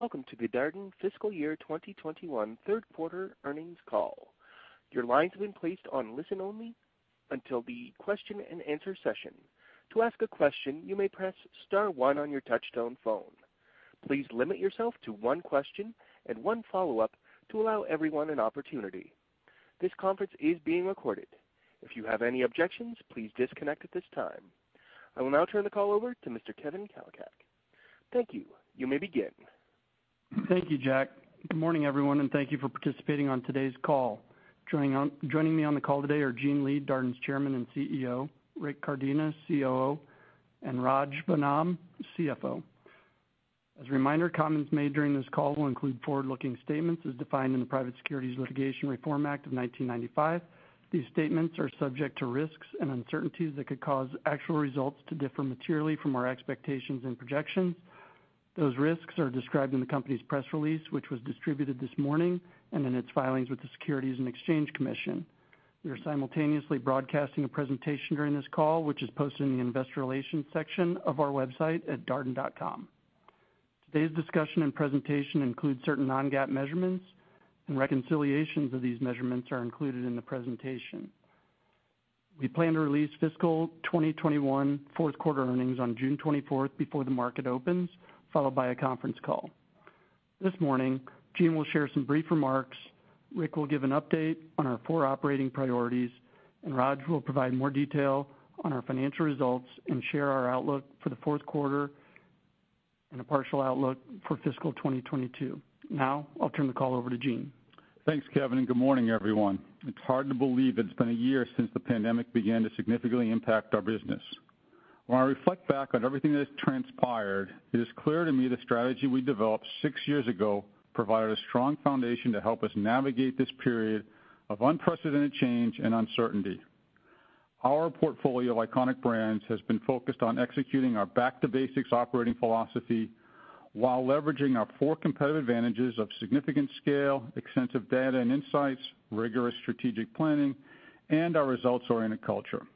Welcome to the Darden Fiscal Year 2021 Third Quarter Earnings Call. Your lines have been placed on listen-only until the question-and-answer session. To ask a question, you may press star one on your touchstone phone. Please limit yourself to one question and one follow-up to allow everyone an opportunity. This conference is being recorded. If you have any objections, please disconnect at this time. I will now turn the call over to Mr. Kevin Kalicak. Thank you. You may begin. Thank you, Jack. Good morning, everyone, and thank you for participating on today's call. Joining me on the call today are Gene Lee, Darden's Chairman and CEO, Rick Cardenas, COO, and Raj Vennam, CFO. As a reminder, comments made during this call will include forward-looking statements as defined in the Private Securities Litigation Reform Act of 1995. These statements are subject to risks and uncertainties that could cause actual results to differ materially from our expectations and projections. Those risks are described in the company's press release, which was distributed this morning and in its filings with the Securities and Exchange Commission. We are simultaneously broadcasting a presentation during this call, which is posted in the investor relations section of our website at darden.com. Today's discussion and presentation include certain non-GAAP measurements, and reconciliations of these measurements are included in the presentation. We plan to release fiscal 2021 fourth quarter earnings on June 24th before the market opens, followed by a conference call. This morning, Gene will share some brief remarks, Rick will give an update on our four operating priorities, and Raj will provide more detail on our financial results and share our outlook for the fourth quarter and a partial outlook for fiscal 2022. Now, I'll turn the call over to Gene. Thanks, Kevin. Good morning, everyone. It's hard to believe it's been a year since the pandemic began to significantly impact our business. When I reflect back on everything that has transpired, it is clear to me the strategy we developed six years ago provided a strong foundation to help us navigate this period of unprecedented change and uncertainty. Our portfolio of iconic brands has been focused on executing our back-to-basics operating philosophy while leveraging our four competitive advantages of significant scale, extensive data and insights, rigorous strategic planning, and our results-oriented culture.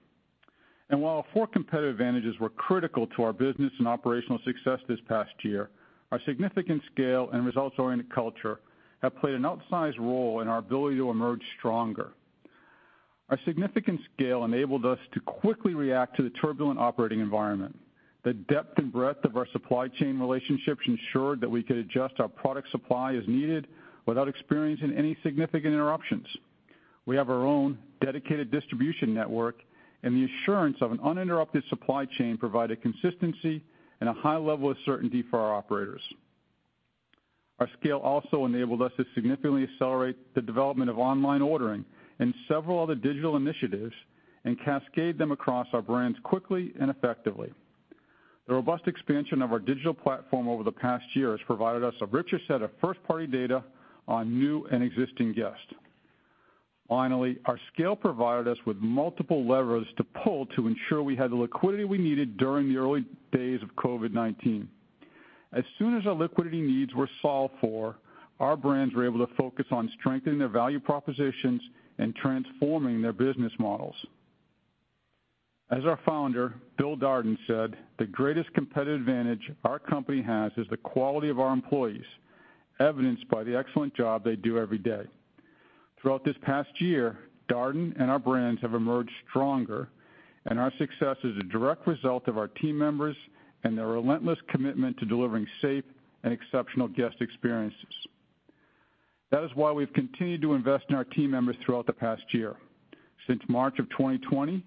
While our four competitive advantages were critical to our business and operational success this past year, our significant scale and results-oriented culture have played an outsized role in our ability to emerge stronger. Our significant scale enabled us to quickly react to the turbulent operating environment. The depth and breadth of our supply chain relationships ensured that we could adjust our product supply as needed without experiencing any significant interruptions. We have our own dedicated distribution network, and the assurance of an uninterrupted supply chain provided consistency and a high level of certainty for our operators. Our scale also enabled us to significantly accelerate the development of online ordering and several other digital initiatives and cascade them across our brands quickly and effectively. The robust expansion of our digital platform over the past year has provided us a richer set of first-party data on new and existing guests. Finally, our scale provided us with multiple levers to pull to ensure we had the liquidity we needed during the early days of COVID-19. As soon as our liquidity needs were solved for, our brands were able to focus on strengthening their value propositions and transforming their business models. As our founder, Bill Darden, said, "The greatest competitive advantage our company has is the quality of our employees, evidenced by the excellent job they do every day." Throughout this past year, Darden and our brands have emerged stronger, and our success is a direct result of our team members and their relentless commitment to delivering safe and exceptional guest experiences. That is why we've continued to invest in our team members throughout the past year. Since March of 2020,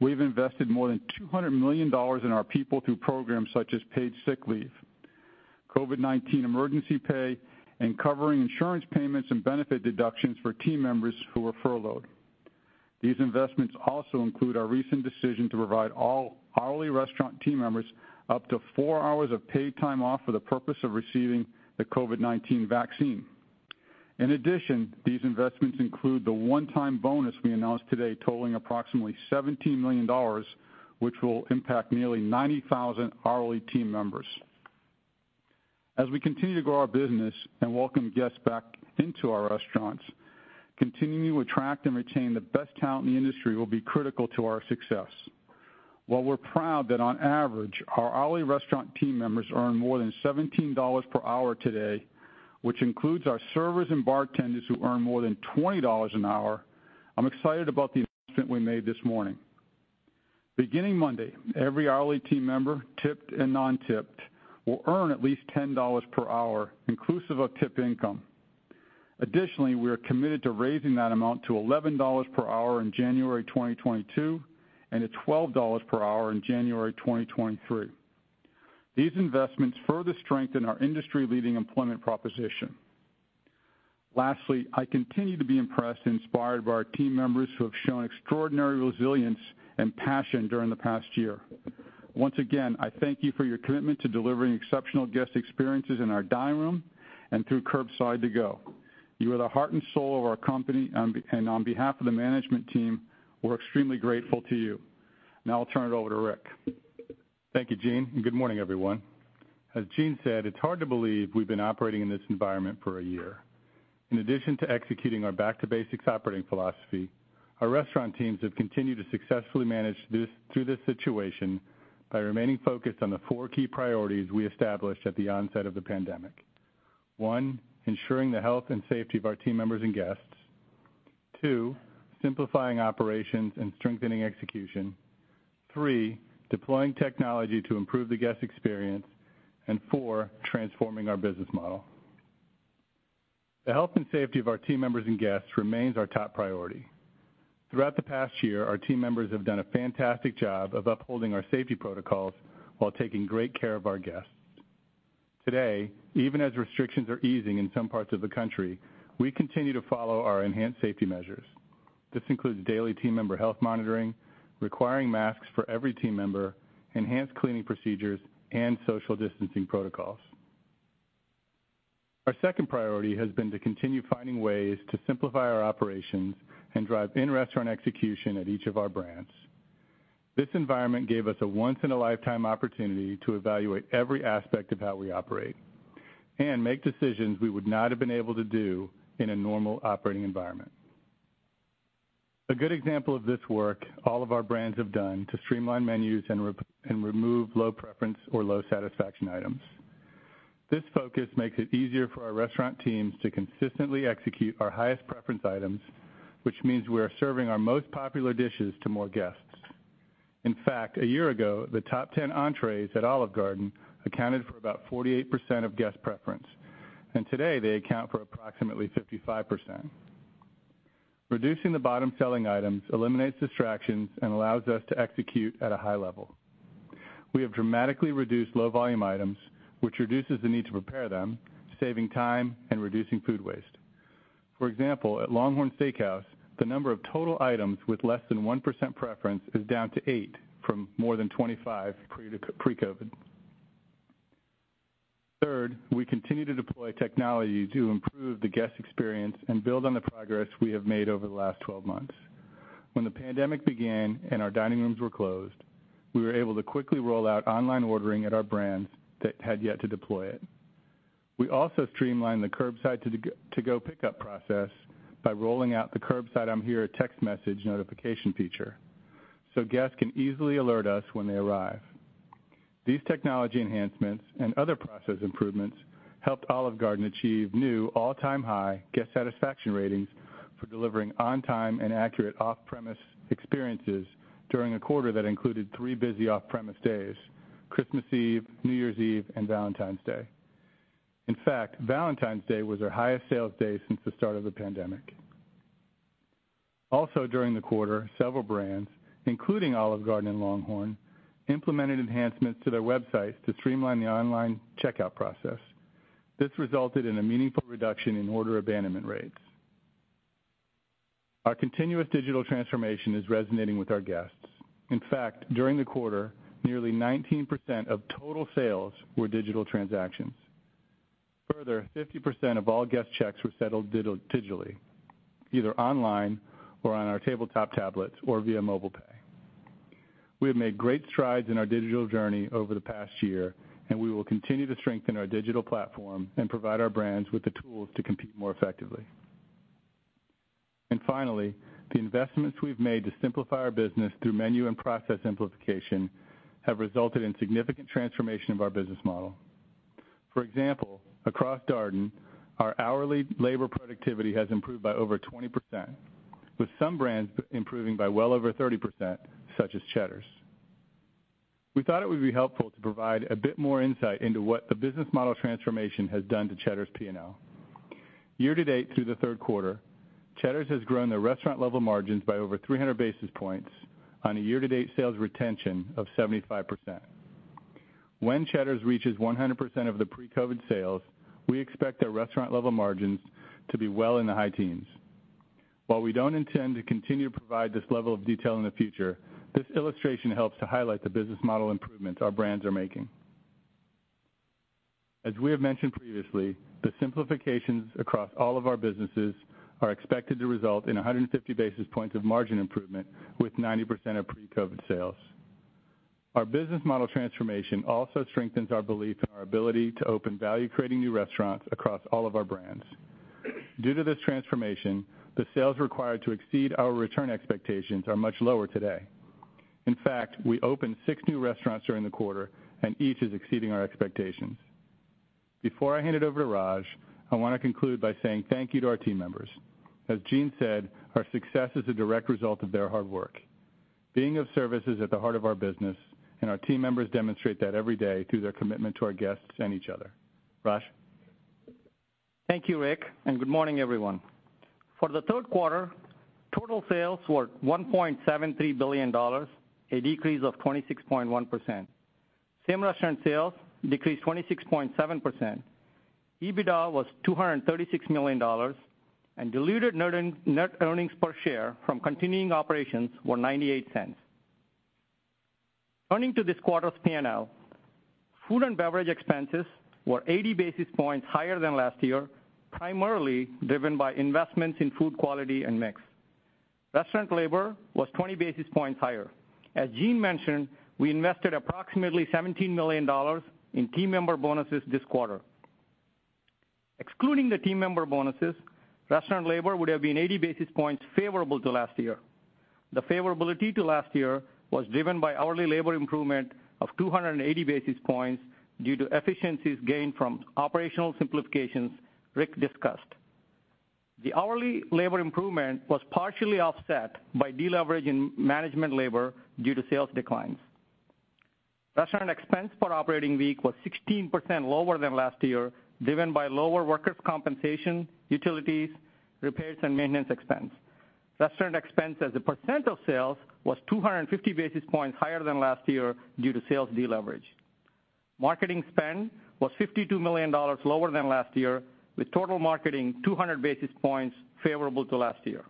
we've invested more than $200 million in our people through programs such as paid sick leave, COVID-19 emergency pay, and covering insurance payments and benefit deductions for team members who were furloughed. These investments also include our recent decision to provide all hourly restaurant team members up to four hours of paid time off for the purpose of receiving the COVID-19 vaccine. In addition, these investments include the one-time bonus we announced today, totaling approximately $17 million, which will impact nearly 90,000 hourly team members. As we continue to grow our business and welcome guests back into our restaurants, continuing to attract and retain the best talent in the industry will be critical to our success. While we're proud that, on average, our hourly restaurant team members earn more than $17 per hour today, which includes our servers and bartenders who earn more than $20 an hour, I'm excited about the investment we made this morning. Beginning Monday, every hourly team member, tipped and non-tipped, will earn at least $10 per hour, inclusive of tip income. Additionally, we are committed to raising that amount to $11 per hour in January 2022 and to $12 per hour in January 2023. These investments further strengthen our industry-leading employment proposition. Lastly, I continue to be impressed and inspired by our team members who have shown extraordinary resilience and passion during the past year. Once again, I thank you for your commitment to delivering exceptional guest experiences in our dining room and through curbside-to-go. You are the heart and soul of our company, and on behalf of the management team, we're extremely grateful to you. Now, I'll turn it over to Rick. Thank you, Gene, and good morning, everyone. As Gene said, it's hard to believe we've been operating in this environment for a year.In addition to executing our back-to-basics operating philosophy, our restaurant teams have continued to successfully manage through this situation by remaining focused on the four key priorities we established at the onset of the pandemic. One, ensuring the health and safety of our team members and guests. Two, simplifying operations and strengthening execution. Three, deploying technology to improve the guest experience. Four, transforming our business model. The health and safety of our team members and guests remains our top priority. Throughout the past year, our team members have done a fantastic job of upholding our safety protocols while taking great care of our guests. Today, even as restrictions are easing in some parts of the country, we continue to follow our enhanced safety measures. This includes daily team member health monitoring, requiring masks for every team member, enhanced cleaning procedures, and social distancing protocols. Our second priority has been to continue finding ways to simplify our operations and drive in-restaurant execution at each of our brands. This environment gave us a once-in-a-lifetime opportunity to evaluate every aspect of how we operate and make decisions we would not have been able to do in a normal operating environment. A good example of this work is all of our brands have done to streamline menus and remove low-preference or low-satisfaction items. This focus makes it easier for our restaurant teams to consistently execute our highest-preference items, which means we are serving our most popular dishes to more guests. In fact, a year ago, the top 10 entrees at Olive Garden accounted for about 48% of guest preference, and today they account for approximately 55%. Reducing the bottom-selling items eliminates distractions and allows us to execute at a high level. We have dramatically reduced low-volume items, which reduces the need to prepare them, saving time and reducing food waste. For example, at LongHorn Steakhouse, the number of total items with less than 1% preference is down to 8 from more than 25 pre-COVID. Third, we continue to deploy technology to improve the guest experience and build on the progress we have made over the last 12 months. When the pandemic began and our dining rooms were closed, we were able to quickly roll out online ordering at our brands that had yet to deploy it. We also streamlined the curbside-to-go pickup process by rolling out the curbside-on-the-hear text message notification feature so guests can easily alert us when they arrive. These technology enhancements and other process improvements helped Olive Garden achieve new all-time high guest satisfaction ratings for delivering on-time and accurate off-premise experiences during a quarter that included three busy off-premise days: Christmas Eve, New Year's Eve, and Valentine's Day. In fact, Valentine's Day was our highest sales day since the start of the pandemic. Also, during the quarter, several brands, including Olive Garden and LongHorn, implemented enhancements to their websites to streamline the online checkout process. This resulted in a meaningful reduction in order abandonment rates. Our continuous digital transformation is resonating with our guests. In fact, during the quarter, nearly 19% of total sales were digital transactions. Further, 50% of all guest checks were settled digitally, either online or on our tabletop tablets or via MobilePay. We have made great strides in our digital journey over the past year, and we will continue to strengthen our digital platform and provide our brands with the tools to compete more effectively. Finally, the investments we've made to simplify our business through menu and process simplification have resulted in significant transformation of our business model. For example, across Darden, our hourly labor productivity has improved by over 20%, with some brands improving by well over 30%, such as Cheddar's. We thought it would be helpful to provide a bit more insight into what the business model transformation has done to Cheddar's P&L. Year-to-date, through the third quarter, Cheddar's has grown their restaurant-level margins by over 300 basis points on a year-to-date sales retention of 75%. When Cheddar's reaches 100% of the pre-COVID sales, we expect their restaurant-level margins to be well in the high teens. While we don't intend to continue to provide this level of detail in the future, this illustration helps to highlight the business model improvements our brands are making. As we have mentioned previously, the simplifications across all of our businesses are expected to result in 150 basis points of margin improvement with 90% of pre-COVID sales. Our business model transformation also strengthens our belief in our ability to open value-creating new restaurants across all of our brands. Due to this transformation, the sales required to exceed our return expectations are much lower today. In fact, we opened six new restaurants during the quarter, and each is exceeding our expectations. Before I hand it over to Raj, I want to conclude by saying thank you to our team members. As Gene said, our success is a direct result of their hard work. Being of service is at the heart of our business, and our team members demonstrate that every day through their commitment to our guests and each other. Raj. Thank you, Rick, and good morning, everyone. For the third quarter, total sales were $1.73 billion, a decrease of 26.1%. Same restaurant sales decreased 26.7%. EBITDA was $236 million, and diluted net earnings per share from continuing operations were $0.98. Turning to this quarter's P&L, food and beverage expenses were 80 basis points higher than last year, primarily driven by investments in food quality and mix. Restaurant labor was 20 basis points higher. As Gene mentioned, we invested approximately $17 million in team member bonuses this quarter. Excluding the team member bonuses, restaurant labor would have been 80 basis points favorable to last year. The favorability to last year was driven by hourly labor improvement of 280 basis points due to efficiencies gained from operational simplifications Rick discussed. The hourly labor improvement was partially offset by deleveraging management labor due to sales declines. Restaurant expense per operating week was 16% lower than last year, driven by lower workers' compensation, utilities, repairs, and maintenance expense. Restaurant expense as a percent of sales was 250 basis points higher than last year due to sales deleverage. Marketing spend was $52 million lower than last year, with total marketing 200 basis points favorable to last year.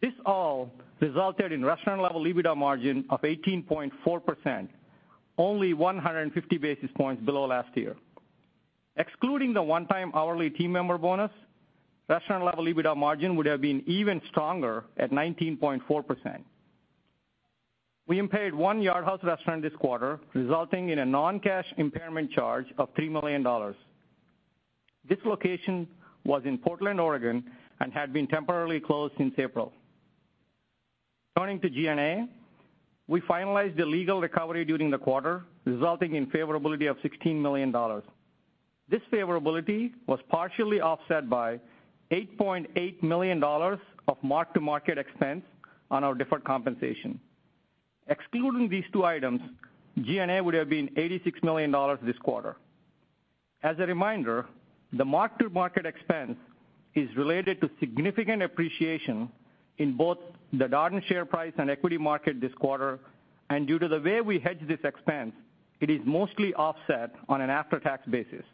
This all resulted in restaurant-level EBITDA margin of 18.4%, only 150 basis points below last year. Excluding the one-time hourly team member bonus, restaurant-level EBITDA margin would have been even stronger at 19.4%. We impaired one Yard House restaurant this quarter, resulting in a non-cash impairment charge of $3 million. This location was in Portland, Oregon, and had been temporarily closed since April. Turning to G&A, we finalized the legal recovery during the quarter, resulting in favorability of $16 million. This favorability was partially offset by $8.8 million of mark-to-market expense on our deferred compensation. Excluding these two items, G&A would have been $86 million this quarter. As a reminder, the mark-to-market expense is related to significant appreciation in both the Darden share price and equity market this quarter, and due to the way we hedge this expense, it is mostly offset on an after-tax basis.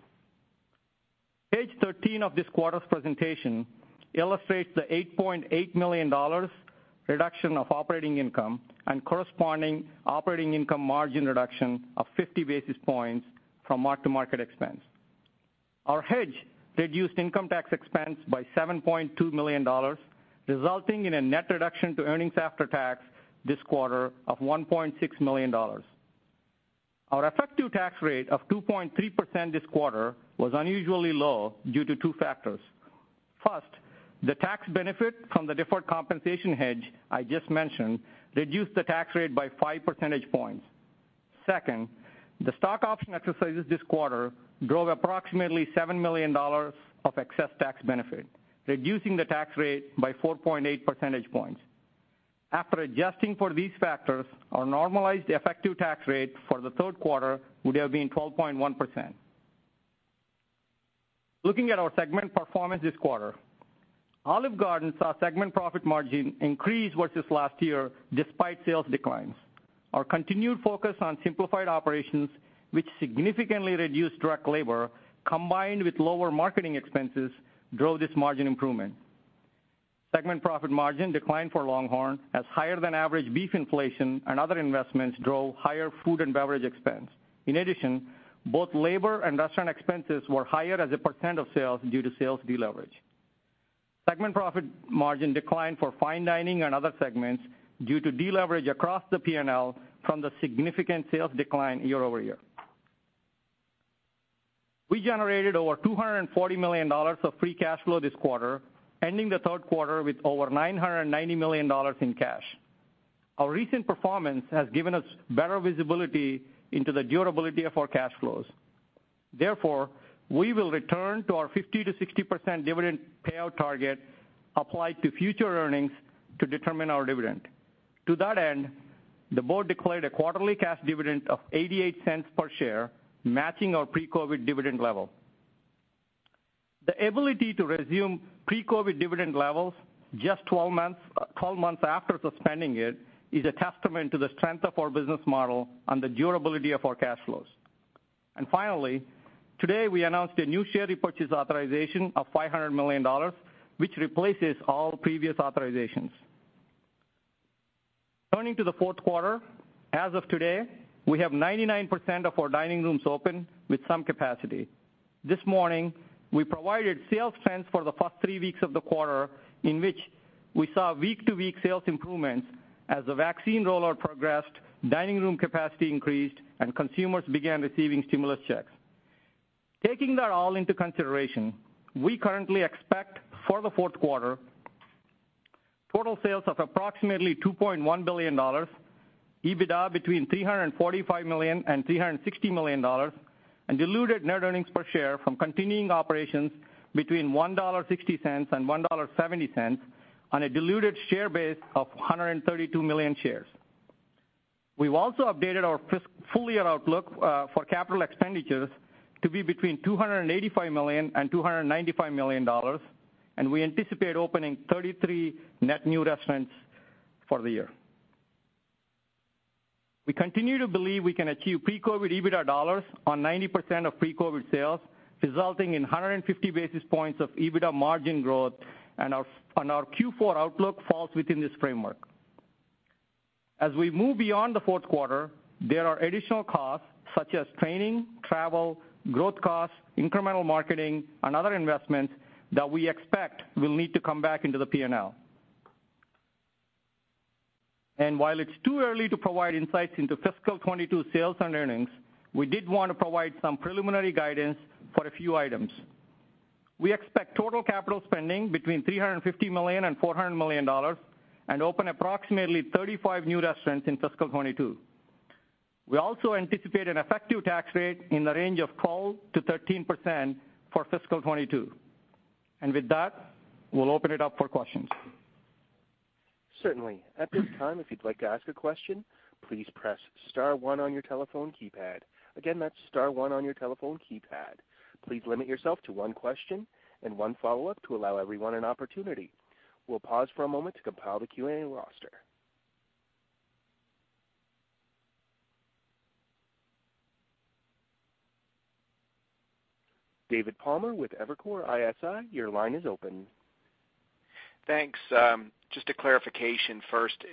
Page 13 of this quarter's presentation illustrates the $8.8 million reduction of operating income and corresponding operating income margin reduction of 50 basis points from mark-to-market expense. Our hedge reduced income tax expense by $7.2 million, resulting in a net reduction to earnings after tax this quarter of $1.6 million. Our effective tax rate of 2.3% this quarter was unusually low due to two factors. First, the tax benefit from the deferred compensation hedge I just mentioned reduced the tax rate by 5 percentage points. Second, the stock option exercises this quarter drove approximately $7 million of excess tax benefit, reducing the tax rate by 4.8 percentage points. After adjusting for these factors, our normalized effective tax rate for the third quarter would have been 12.1%. Looking at our segment performance this quarter, Olive Garden saw segment profit margin increase versus last year despite sales declines. Our continued focus on simplified operations, which significantly reduced direct labor combined with lower marketing expenses, drove this margin improvement. Segment profit margin declined for LongHorn as higher-than-average beef inflation and other investments drove higher food and beverage expense. In addition, both labor and restaurant expenses were higher as a percent of sales due to sales deleverage. Segment profit margin declined for fine dining and other segments due to deleverage across the P&L from the significant sales decline year over year. We generated over $240 million of free cash flow this quarter, ending the third quarter with over $990 million in cash. Our recent performance has given us better visibility into the durability of our cash flows. Therefore, we will return to our 50-60% dividend payout target applied to future earnings to determine our dividend. To that end, the board declared a quarterly cash dividend of $0.88 per share, matching our pre-COVID dividend level. The ability to resume pre-COVID dividend levels just 12 months after suspending it is a testament to the strength of our business model and the durability of our cash flows. Finally, today we announced a new share repurchase authorization of $500 million, which replaces all previous authorizations. Turning to the fourth quarter, as of today, we have 99% of our dining rooms open with some capacity. This morning, we provided sales trends for the first three weeks of the quarter, in which we saw week-to-week sales improvements as the vaccine rollout progressed, dining room capacity increased, and consumers began receiving stimulus checks. Taking that all into consideration, we currently expect for the fourth quarter total sales of approximately $2.1 billion, EBITDA between $345 million and $360 million, and diluted net earnings per share from continuing operations between $1.60 and $1.70 on a diluted share base of 132 million shares. We've also updated our full-year outlook for capital expenditures to be between $285 million and $295 million, and we anticipate opening 33 net new restaurants for the year. We continue to believe we can achieve pre-COVID EBITDA dollars on 90% of pre-COVID sales, resulting in 150 basis points of EBITDA margin growth, and our Q4 outlook falls within this framework. As we move beyond the fourth quarter, there are additional costs such as training, travel, growth costs, incremental marketing, and other investments that we expect will need to come back into the P&L. While it's too early to provide insights into fiscal 2022 sales and earnings, we did want to provide some preliminary guidance for a few items. We expect total capital spending between $350 million and $400 million and open approximately 35 new restaurants in fiscal 2022. We also anticipate an effective tax rate in the range of 12%-13% for fiscal 2022. With that, we'll open it up for questions. Certainly. At this time, if you'd like to ask a question, please press star one on your telephone keypad. Again, that's star one on your telephone keypad. Please limit yourself to one question and one follow-up to allow everyone an opportunity. We'll pause for a moment to compile the Q&A roster. David Palmer with Evercore ISI, your line is open. Thanks. Just a clarification first.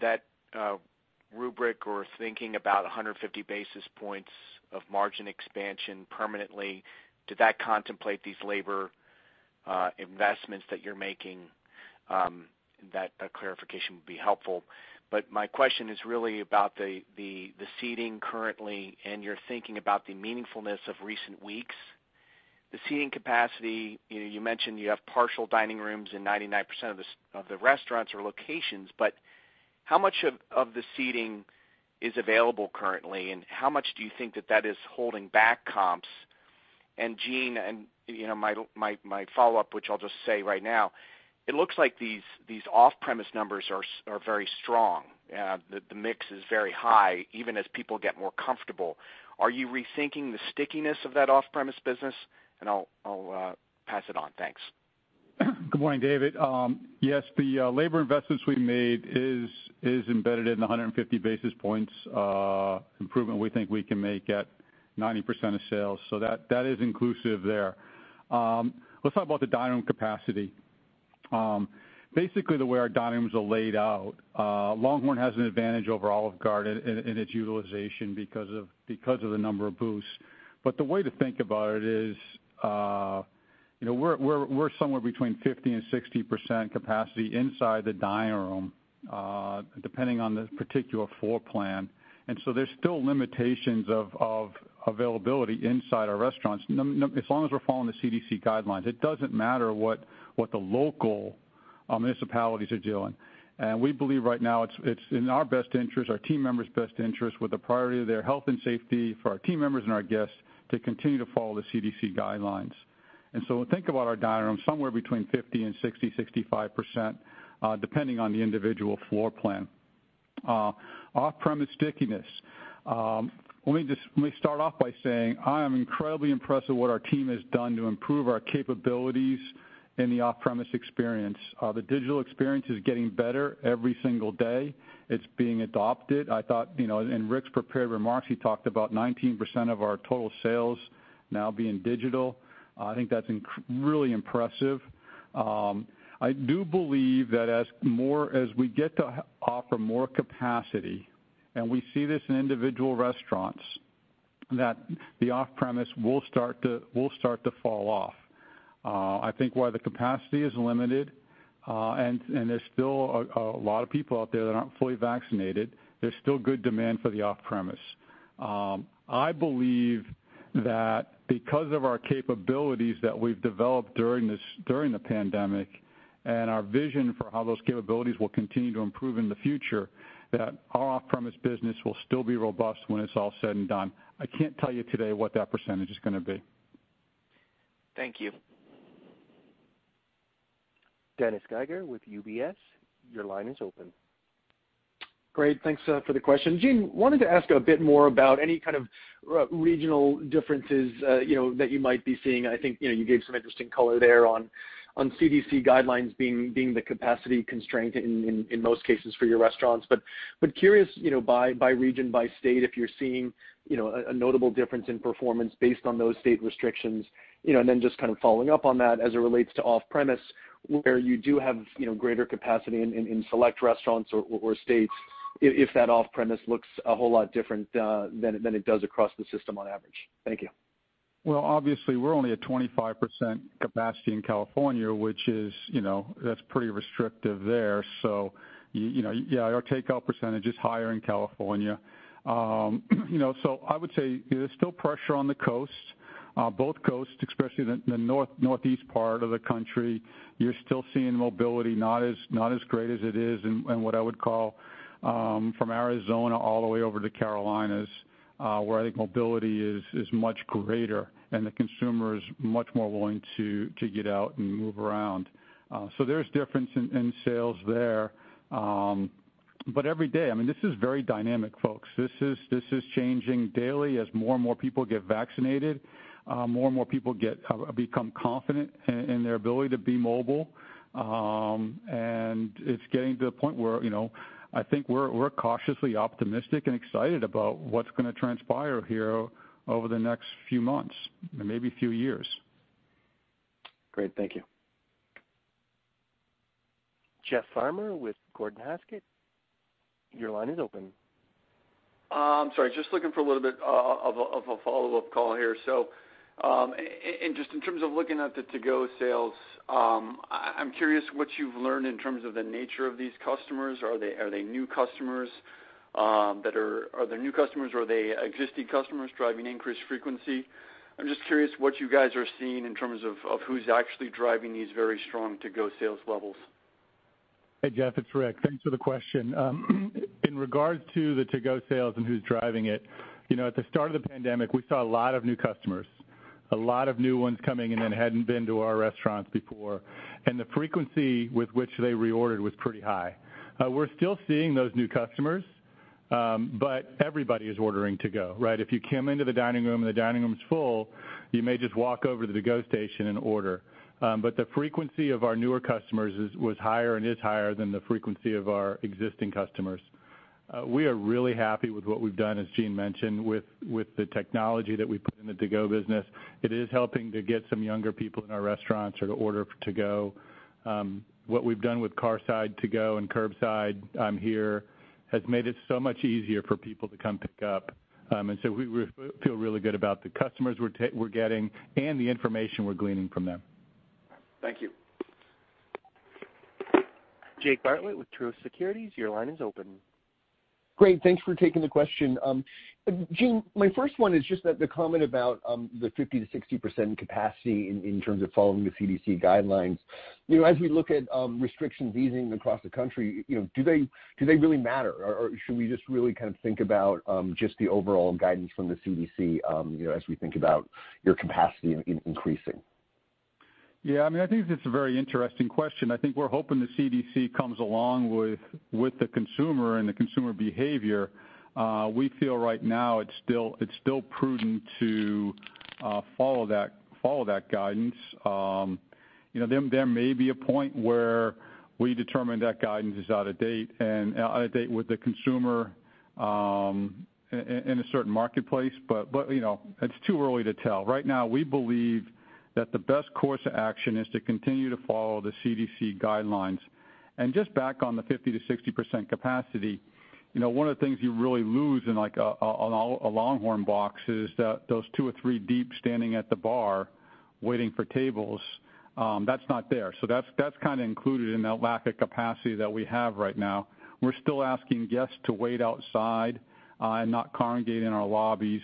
That rubric or thinking about 150 basis points of margin expansion permanently, did that contemplate these labor investments that you're making? That clarification would be helpful. My question is really about the seating currently and your thinking about the meaningfulness of recent weeks. The seating capacity, you mentioned you have partial dining rooms in 99% of the restaurants or locations, but how much of the seating is available currently, and how much do you think that that is holding back comps? Gene, my follow-up, which I'll just say right now, it looks like these off-premise numbers are very strong. The mix is very high, even as people get more comfortable. Are you rethinking the stickiness of that off-premise business? I'll pass it on. Thanks. Good morning, David. Yes, the labor investments we made is embedded in the 150 basis points improvement. We think we can make at 90% of sales. That is inclusive there. Let's talk about the dining room capacity. Basically, the way our dining rooms are laid out, LongHorn has an advantage over Olive Garden in its utilization because of the number of booths. The way to think about it is we're somewhere between 50-60% capacity inside the dining room, depending on the particular floor plan. There are still limitations of availability inside our restaurants. As long as we're following the CDC guidelines, it doesn't matter what the local municipalities are doing. We believe right now it's in our best interest, our team members' best interest, with the priority of their health and safety for our team members and our guests to continue to follow the CDC guidelines. Think about our dining room, somewhere between 50-60, 65% depending on the individual floor plan. Off-premise stickiness. Let me start off by saying I am incredibly impressed with what our team has done to improve our capabilities in the off-premise experience. The digital experience is getting better every single day. It's being adopted. I thought in Rick's prepared remarks, he talked about 19% of our total sales now being digital. I think that's really impressive. I do believe that as more as we get to offer more capacity, and we see this in individual restaurants, that the off-premise will start to fall off. I think while the capacity is limited and there's still a lot of people out there that aren't fully vaccinated, there's still good demand for the off-premise. I believe that because of our capabilities that we've developed during the pandemic and our vision for how those capabilities will continue to improve in the future, that our off-premise business will still be robust when it's all said and done. I can't tell you today what that percentage is going to be. Thank you. Dennis Geiger with UBS, your line is open. Great. Thanks for the question. Gene, wanted to ask a bit more about any regional differences that you might be seeing. I think you gave some interesting color there on CDC guidelines being the capacity constraint in most cases for your restaurants. Curious by region, by state, if you're seeing a notable difference in performance based on those state restrictions. Just following up on that as it relates to off-premise, where you do have greater capacity in select restaurants or states, if that off-premise looks a whole lot different than it does across the system on average. Thank you. Obviously, we're only at 25% capacity in California, which is pretty restrictive there. Yeah, our takeout percentage is higher in California. I would say there's still pressure on the coast, both coasts, especially the northeast part of the country. You're still seeing mobility not as great as it is in what I would call from Arizona all the way over to Carolinas, where I think mobility is much greater and the consumer is much more willing to get out and move around. There's difference in sales there. Every day, I mean, this is very dynamic, folks. This is changing daily as more and more people get vaccinated, more and more people become confident in their ability to be mobile.It's getting to the point where I think we're cautiously optimistic and excited about what's going to transpire here over the next few months, maybe a few years. Great. Thank you. Jeff Farmer with Gordon Haskett, your line is open. I'm sorry. Just looking for a little bit of a follow-up call here. Just in terms of looking at the to-go sales, I'm curious what you've learned in terms of the nature of these customers. Are they new customers or are they existing customers driving increased frequency? I'm just curious what you guys are seeing in terms of who's actually driving these very strong to-go sales levels. Hey, Jeff, it's Rick. Thanks for the question. In regards to the to-go sales and who's driving it, at the start of the pandemic, we saw a lot of new customers, a lot of new ones coming in that hadn't been to our restaurants before. The frequency with which they reordered was pretty high. We're still seeing those new customers, but everybody is ordering to-go, right? If you come into the dining room and the dining room's full, you may just walk over to the to-go station and order. The frequency of our newer customers was higher and is higher than the frequency of our existing customers. We are really happy with what we've done, as Gene mentioned, with the technology that we put in the to-go business. It is helping to get some younger people in our restaurants or to order to-go. What we've done with car-side to-go and curbside here has made it so much easier for people to come pick up. We feel really good about the customers we're getting and the information we're gleaning from them. Thank you. Jake Bartlett with Truist Securities, your line is open. Great. Thanks for taking the question. Gene, my first one is just the comment about the 50-60% capacity in terms of following the CDC guidelines. As we look at restrictions easing across the country, do they really matter, or should we just really think about just the overall guidance from the CDC as we think about your capacity increasing? Yeah. I mean, I think it's a very interesting question. I think we're hoping the CDC comes along with the consumer and the consumer behavior. We feel right now it's still prudent to follow that guidance. There may be a point where we determine that guidance is out of date and out of date with the consumer in a certain marketplace. It's too early to tell. Right now, we believe that the best course of action is to continue to follow the CDC guidelines. Just back on the 50-60% capacity, one of the things you really lose in a LongHorn box is those two or three deep standing at the bar waiting for tables. That's not there. That's included in that lack of capacity that we have right now. We're still asking guests to wait outside and not congregate in our lobbies.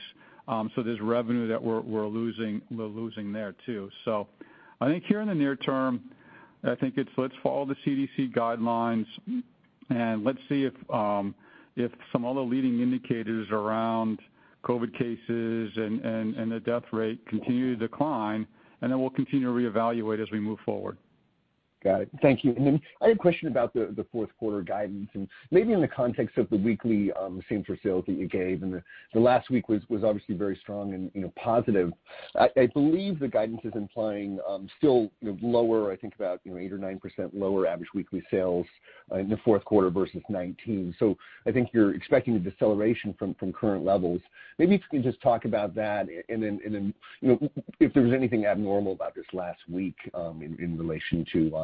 There's revenue that we're losing there too. I think here in the near term, I think it's let's follow the CDC guidelines and let's see if some other leading indicators around COVID cases and the death rate continue to decline, and then we'll continue to reevaluate as we move forward. Got it. Thank you. I had a question about the fourth quarter guidance. Maybe in the context of the weekly same for sales that you gave, and the last week was obviously very strong and positive. I believe the guidance is implying still lower, I think about 8% or 9% lower average weekly sales in the fourth quarter versus 2019. I think you're expecting a deceleration from current levels. Maybe if you can just talk about that and if there was anything abnormal about this last week in relation to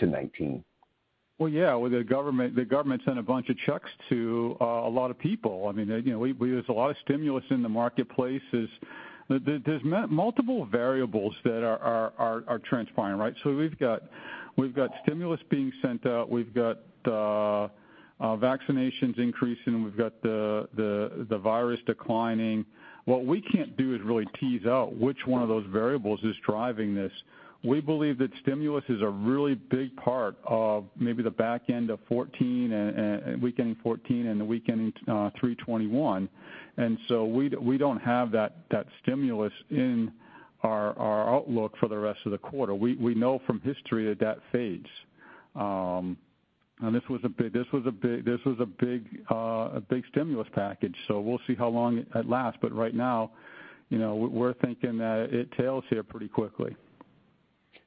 2019. Yeah, the government sent a bunch of checks to a lot of people. I mean, there's a lot of stimulus in the marketplace. There are multiple variables that are transpiring, right? We've got stimulus being sent out. We've got vaccinations increasing. We've got the virus declining. What we can't do is really tease out which one of those variables is driving this. We believe that stimulus is a really big part of maybe the back end of 2014, week ending 2014, and the week ending 321. We do not have that stimulus in our outlook for the rest of the quarter. We know from history that that fades. This was a big stimulus package. We will see how long it lasts. Right now, we're thinking that it tails here pretty quickly.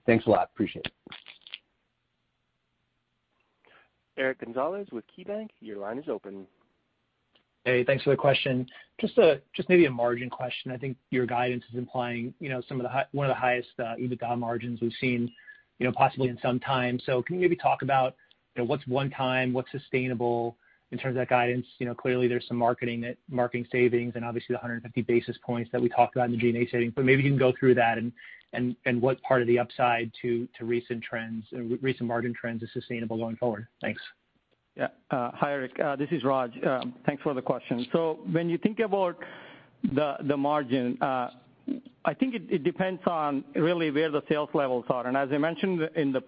Thanks a lot. Appreciate it. Eric Gonzalez with KeyBank, your line is open. Hey, thanks for the question. Just maybe a margin question. I think your guidance is implying some of the one of the highest EBITDA margins we've seen possibly in some time. Can you maybe talk about what's one time, what's sustainable in terms of that guidance? Clearly, there's some marketing savings and obviously the 150 basis points that we talked about in the G&A savings. Maybe you can go through that and what part of the upside to recent margin trends is sustainable going forward. Thanks. Yeah. Hi, Eric. This is Raj. Thanks for the question. When you think about the margin, I think it depends on really where the sales levels are. As I mentioned in the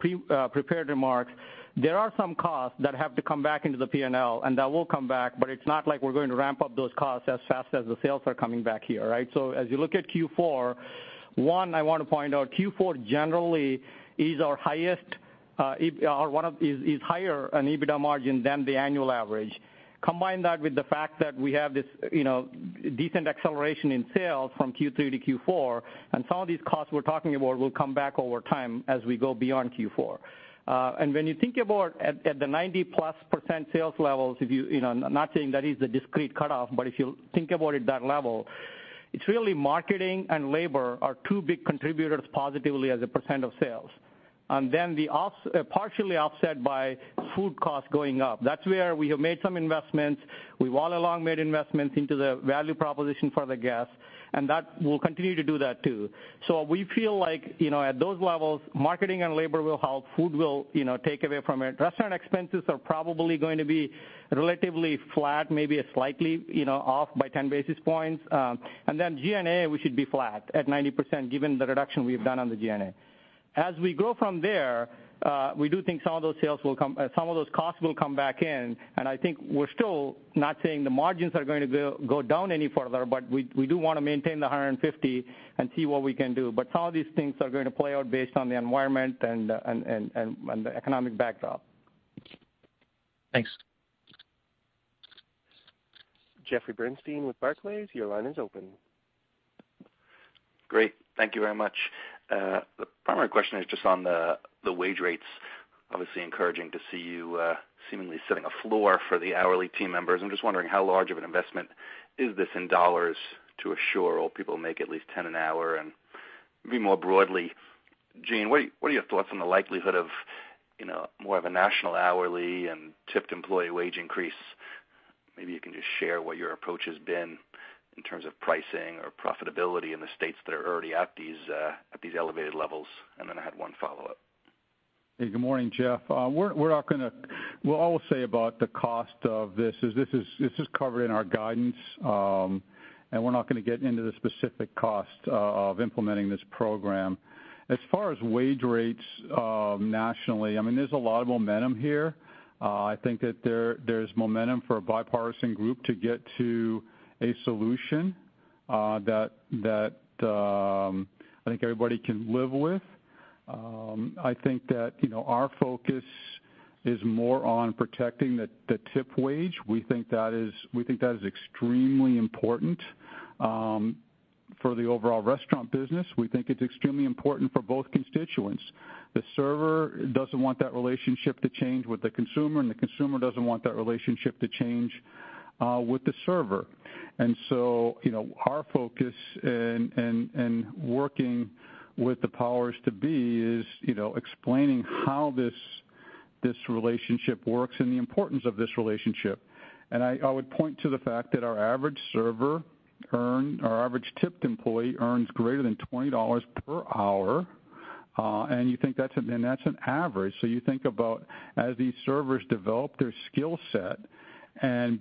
prepared remarks, there are some costs that have to come back into the P&L, and that will come back. It's not like we're going to ramp up those costs as fast as the sales are coming back here, right? As you look at Q4, one, I want to point out Q4 generally is our highest or is higher an EBITDA margin than the annual average. Combine that with the fact that we have this decent acceleration in sales from Q3 to Q4, and some of these costs we're talking about will come back over time as we go beyond Q4. When you think about at the 90-plus % sales levels, if you're not saying that is the discrete cutoff, but if you think about it that level, it's really marketing and labor are two big contributors positively as a percent of sales. Then partially offset by food costs going up. That's where we have made some investments. We've all along made investments into the value proposition for the guests, and that will continue to do that too. We feel like at those levels, marketing and labor will help. Food will take away from it. Restaurant expenses are probably going to be relatively flat, maybe slightly off by 10 basis points. G&A, we should be flat at 90% given the reduction we've done on the G&A. As we grow from there, we do think some of those sales will come, some of those costs will come back in. I think we're still not saying the margins are going to go down any further, but we do want to maintain the 150 and see what we can do. Some of these things are going to play out based on the environment and the economic backdrop. Thanks. Jeffrey Bernstein with Barclays, your line is open. Great. Thank you very much. The primary question is just on the wage rates. Obviously, encouraging to see you seemingly setting a floor for the hourly team members. I'm just wondering how large of an investment is this in dollars to assure all people make at least $10 an hour and maybe more broadly. Gene, what are your thoughts on the likelihood of more of a national hourly and tipped employee wage increase? Maybe you can just share what your approach has been in terms of pricing or profitability in the states that are already at these elevated levels. I had one follow-up. Hey, good morning, Jeff. We're all going to say about the cost of this is this is covered in our guidance, and we're not going to get into the specific cost of implementing this program. As far as wage rates nationally, I mean, there's a lot of momentum here. I think that there's momentum for a bipartisan group to get to a solution that I think everybody can live with. I think that our focus is more on protecting the tip wage. We think that is extremely important for the overall restaurant business. We think it's extremely important for both constituents. The server doesn't want that relationship to change with the consumer, and the consumer doesn't want that relationship to change with the server. Our focus in working with the powers to be is explaining how this relationship works and the importance of this relationship.I would point to the fact that our average server, our average tipped employee, earns greater than $20 per hour. You think that's an average. You think about as these servers develop their skill set and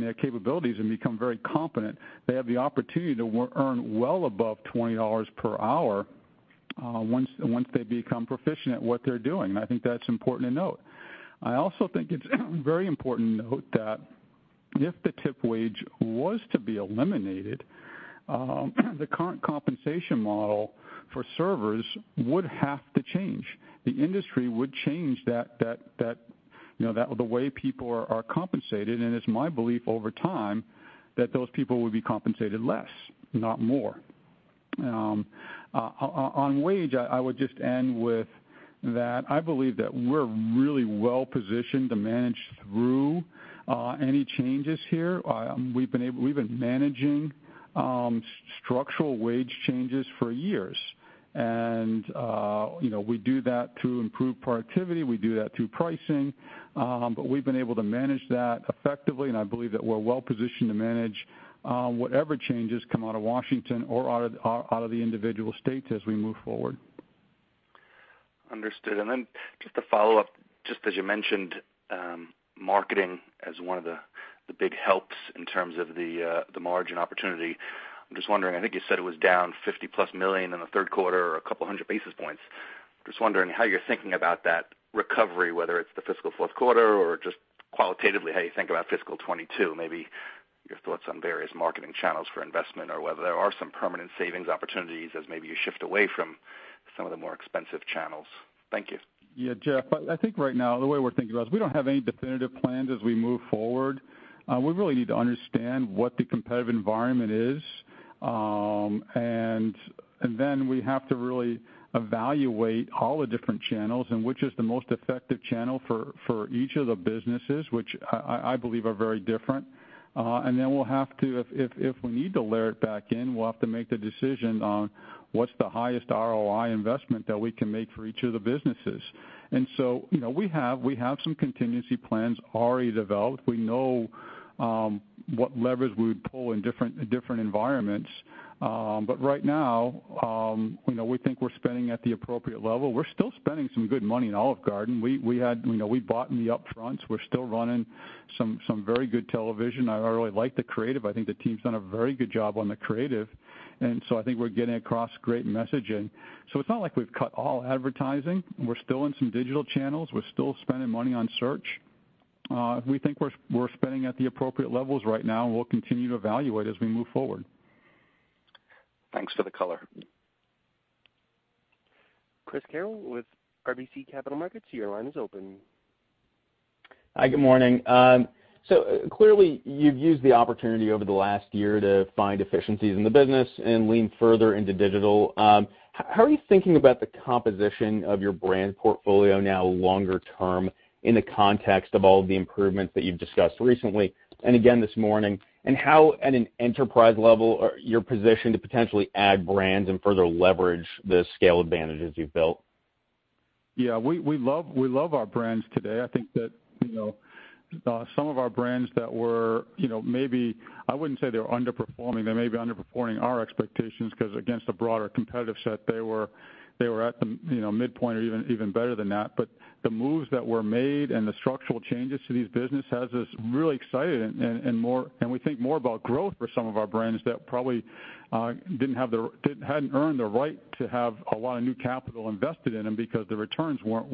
their capabilities and become very competent, they have the opportunity to earn well above $20 per hour once they become proficient at what they're doing. I think that's important to note. I also think it's very important to note that if the tip wage was to be eliminated, the current compensation model for servers would have to change. The industry would change the way people are compensated. It's my belief over time that those people would be compensated less, not more. On wage, I would just end with that I believe that we're really well positioned to manage through any changes here. We've been managing structural wage changes for years. We do that through improved productivity. We do that through pricing. We've been able to manage that effectively. I believe that we're well positioned to manage whatever changes come out of Washington or out of the individual states as we move forward. Understood. Just to follow up, just as you mentioned, marketing as one of the big helps in terms of the margin opportunity. I'm just wondering, I think you said it was down $50 million-plus in the third quarter or a couple hundred basis points. I'm just wondering how you're thinking about that recovery, whether it's the fiscal fourth quarter or just qualitatively how you think about fiscal 2022. Maybe your thoughts on various marketing channels for investment or whether there are some permanent savings opportunities as maybe you shift away from some of the more expensive channels. Thank you. Yeah, Jeff, I think right now the way we're thinking about it is we don't have any definitive plans as we move forward. We really need to understand what the competitive environment is. We have to really evaluate all the different channels and which is the most effective channel for each of the businesses, which I believe are very different. If we need to layer it back in, we'll have to make the decision on what's the highest ROI investment that we can make for each of the businesses. We have some contingency plans already developed. We know what levers we would pull in different environments. Right now, we think we're spending at the appropriate level. We're still spending some good money in Olive Garden. We bought in the upfronts. We're still running some very good television.I really like the creative. I think the team's done a very good job on the creative. I think we're getting across great messaging. It's not like we've cut all advertising. We're still in some digital channels. We're still spending money on search. We think we're spending at the appropriate levels right now. We'll continue to evaluate as we move forward. Thanks for the color. Chris Carroll with RBC Capital Markets, your line is open. Hi, good morning. Clearly, you've used the opportunity over the last year to find efficiencies in the business and lean further into digital. How are you thinking about the composition of your brand portfolio now longer term in the context of all the improvements that you've discussed recently and again this morning? How, at an enterprise level, are you positioned to potentially add brands and further leverage the scale advantages you've built? Yeah, we love our brands today. I think that some of our brands that were maybe I wouldn't say they were underperforming. They may be underperforming our expectations because against a broader competitive set, they were at the midpoint or even better than that. The moves that were made and the structural changes to these businesses have us really excited and we think more about growth for some of our brands that probably didn't have the hadn't earned the right to have a lot of new capital invested in them because the returns weren't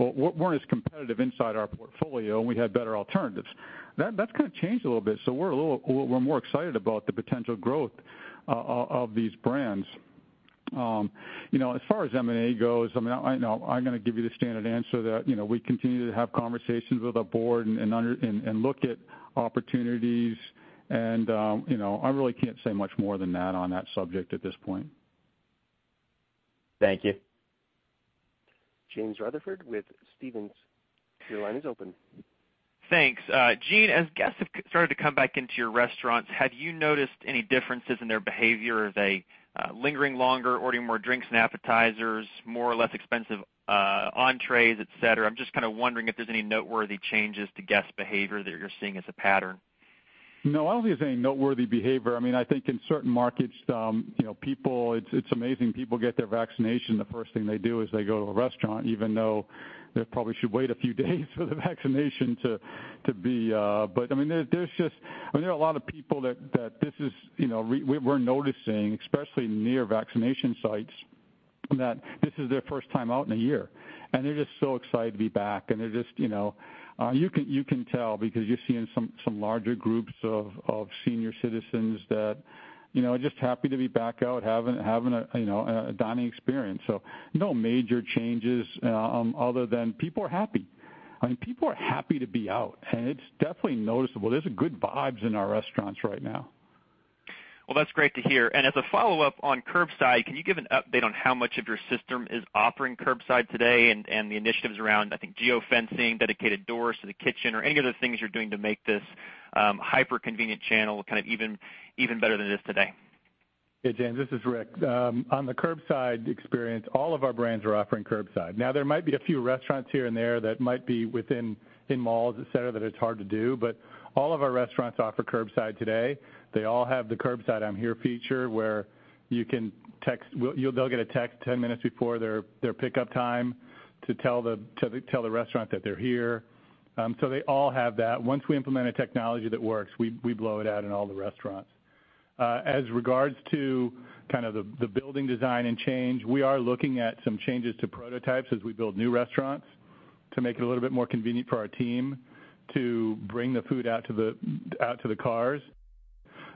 as competitive inside our portfolio and we had better alternatives. That has changed a little bit. We are more excited about the potential growth of these brands. As far as M&A goes, I mean, I'm going to give you the standard answer that we continue to have conversations with the board and look at opportunities. I really can't say much more than that on that subject at this point. Thank you. James Rutherford with Stevens, your line is open. Thanks. Gene, as guests have started to come back into your restaurants, have you noticed any differences in their behavior? Are they lingering longer, ordering more drinks and appetizers, more or less expensive entrees, etc.? I'm just wondering if there's any noteworthy changes to guest behavior that you're seeing as a pattern. No, I don't think there's any noteworthy behavior. I mean, I think in certain markets, people, it's amazing, people get their vaccination. The first thing they do is they go to a restaurant, even though they probably should wait a few days for the vaccination to be. I mean, there are a lot of people that this is, we're noticing, especially near vaccination sites, that this is their first time out in a year. They're just so excited to be back. They're just, you can tell because you're seeing some larger groups of senior citizens that are just happy to be back out having a dining experience. No major changes other than people are happy. I mean, people are happy to be out. It's definitely noticeable. There's good vibes in our restaurants right now. That's great to hear. As a follow-up on curbside, can you give an update on how much of your system is offering curbside today and the initiatives around, I think, geofencing, dedicated doors to the kitchen, or any other things you're doing to make this hyper-convenient channel even better than it is today? Hey, James, this is Rick. On the curbside experience, all of our brands are offering curbside. There might be a few restaurants here and there that might be within malls, etc., that it's hard to do. All of our restaurants offer curbside today. They all have the curbside I'm Here feature where you can text, they'll get a text 10 minutes before their pickup time to tell the restaurant that they're here. They all have that. Once we implement a technology that works, we blow it out in all the restaurants. As regards to the building design and change, we are looking at some changes to prototypes as we build new restaurants to make it a little bit more convenient for our team to bring the food out to the cars.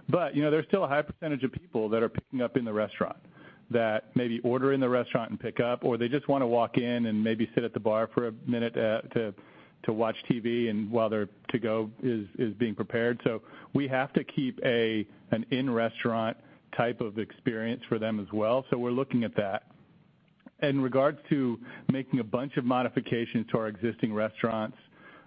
There is still a high percentage of people that are picking up in the restaurant that maybe order in the restaurant and pick up, or they just want to walk in and maybe sit at the bar for a minute to watch TV while their to-go is being prepared. We have to keep an in-restaurant type of experience for them as well. We are looking at that. In regards to making a bunch of modifications to our existing restaurants,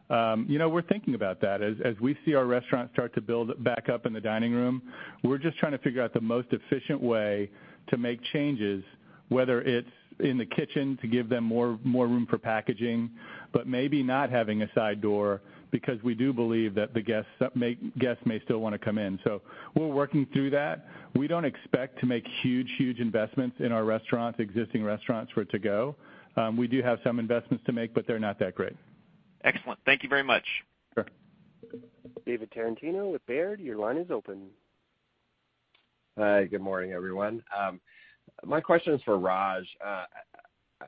we are thinking about that. As we see our restaurants start to build back up in the dining room, we are just trying to figure out the most efficient way to make changes, whether it is in the kitchen to give them more room for packaging, but maybe not having a side door because we do believe that the guests may still want to come in. We are working through that. We don't expect to make huge, huge investments in our restaurants, existing restaurants, for to-go. We do have some investments to make, but they're not that great. Excellent. Thank you very much. Sure. David Tarantino with Baird, your line is open. Hi, good morning, everyone. My question is for Raj.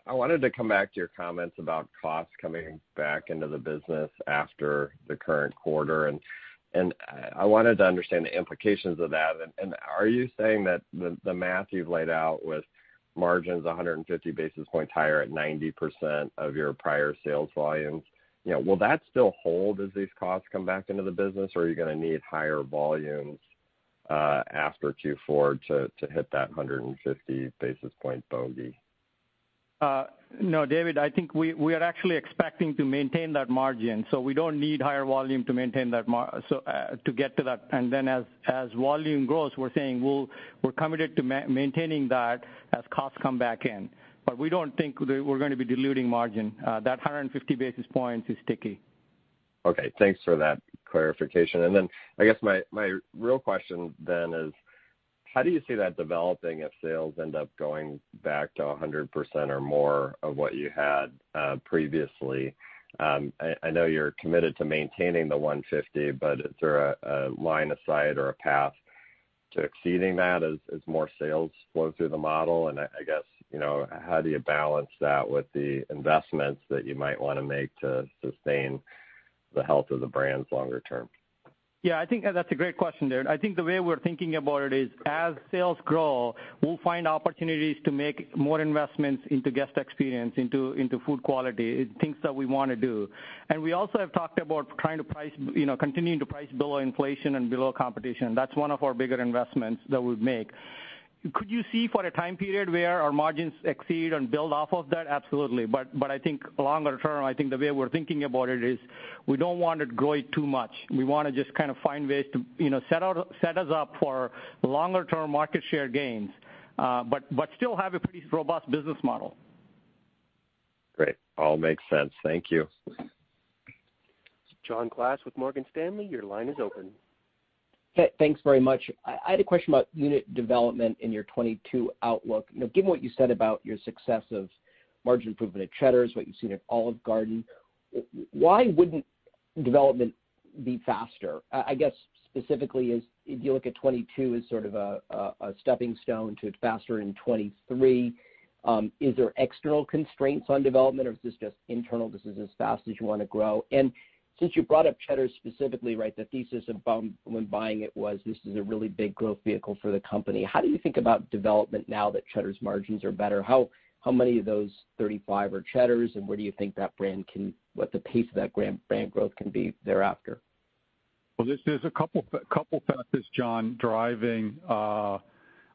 I wanted to come back to your comments about costs coming back into the business after the current quarter. I wanted to understand the implications of that. Are you saying that the math you've laid out with margins 150 basis points higher at 90% of your prior sales volumes, will that still hold as these costs come back into the business, or are you going to need higher volumes after Q4 to hit that 150 basis point bogey? No, David, I think we are actually expecting to maintain that margin. We do not need higher volume to maintain that to get to that. As volume grows, we are saying we are committed to maintaining that as costs come back in. We do not think we are going to be diluting margin. That 150 basis points is sticky. Okay. Thanks for that clarification. I guess my real question then is, how do you see that developing if sales end up going back to 100% or more of what you had previously? I know you're committed to maintaining the 150, but is there a line of sight or a path to exceeding that as more sales flow through the model? I guess, how do you balance that with the investments that you might want to make to sustain the health of the brands longer term? Yeah, I think that's a great question, David. I think the way we're thinking about it is as sales grow, we'll find opportunities to make more investments into guest experience, into food quality, things that we want to do. We also have talked about continuing to price below inflation and below competition. That's one of our bigger investments that we make. Could you see for a time period where our margins exceed and build off of that? Absolutely. I think longer term, I think the way we're thinking about it is we don't want it to grow too much. We want to just find ways to set us up for longer-term market share gains but still have a pretty robust business model. Great. All makes sense. Thank you. John Klaas with Morgan Stanley, your line is open. Hey, thanks very much. I had a question about unit development in your 2022 outlook. Given what you said about your success of margin improvement at Cheddar's, what you've seen at Olive Garden, why wouldn't development be faster? I guess specifically, if you look at 2022 as a stepping stone to it faster in 2023, is there external constraints on development, or is this just internal? This is as fast as you want to grow. Since you brought up Cheddar's specifically, right, the thesis of when buying it was this is a really big growth vehicle for the company. How do you think about development now that Cheddar's margins are better? How many of those 35 are Cheddar's, and where do you think that brand can what the pace of that brand growth can be thereafter? There are a couple factors, John, driving our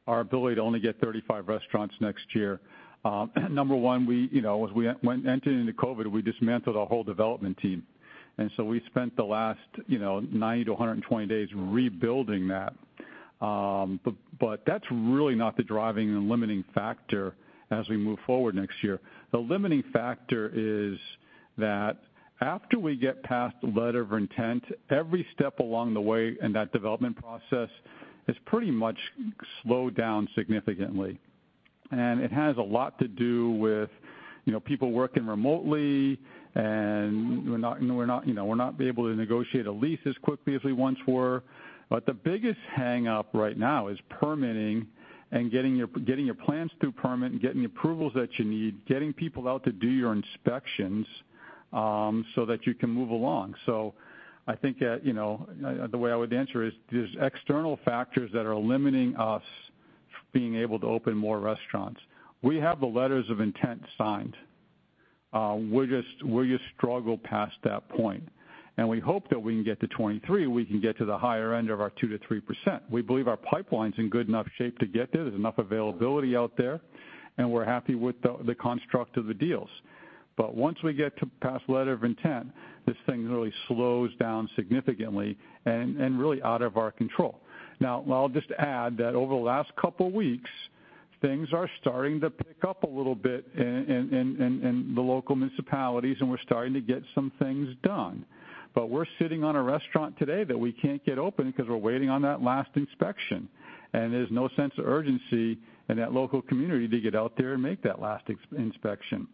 ability to only get 35 restaurants next year. Number one, as we went into COVID, we dismantled our whole development team. We spent the last 90-20 days rebuilding that. That is really not the driving and limiting factor as we move forward next year. The limiting factor is that after we get past letter of intent, every step along the way in that development process has pretty much slowed down significantly. It has a lot to do with people working remotely, and we are not able to negotiate a lease as quickly as we once were. The biggest hang-up right now is permitting and getting your plans through permit, getting approvals that you need, getting people out to do your inspections so that you can move along. I think the way I would answer is there's external factors that are limiting us from being able to open more restaurants. We have the letters of intent signed. We just struggle past that point. We hope that we can get to 2023, we can get to the higher end of our 2-3%. We believe our pipeline's in good enough shape to get there. There's enough availability out there, and we're happy with the construct of the deals. Once we get past letter of intent, this thing really slows down significantly and really out of our control. I'll just add that over the last couple of weeks, things are starting to pick up a little bit in the local municipalities, and we're starting to get some things done. We're sitting on a restaurant today that we can't get open because we're waiting on that last inspection. There's no sense of urgency in that local community to get out there and make that last inspection.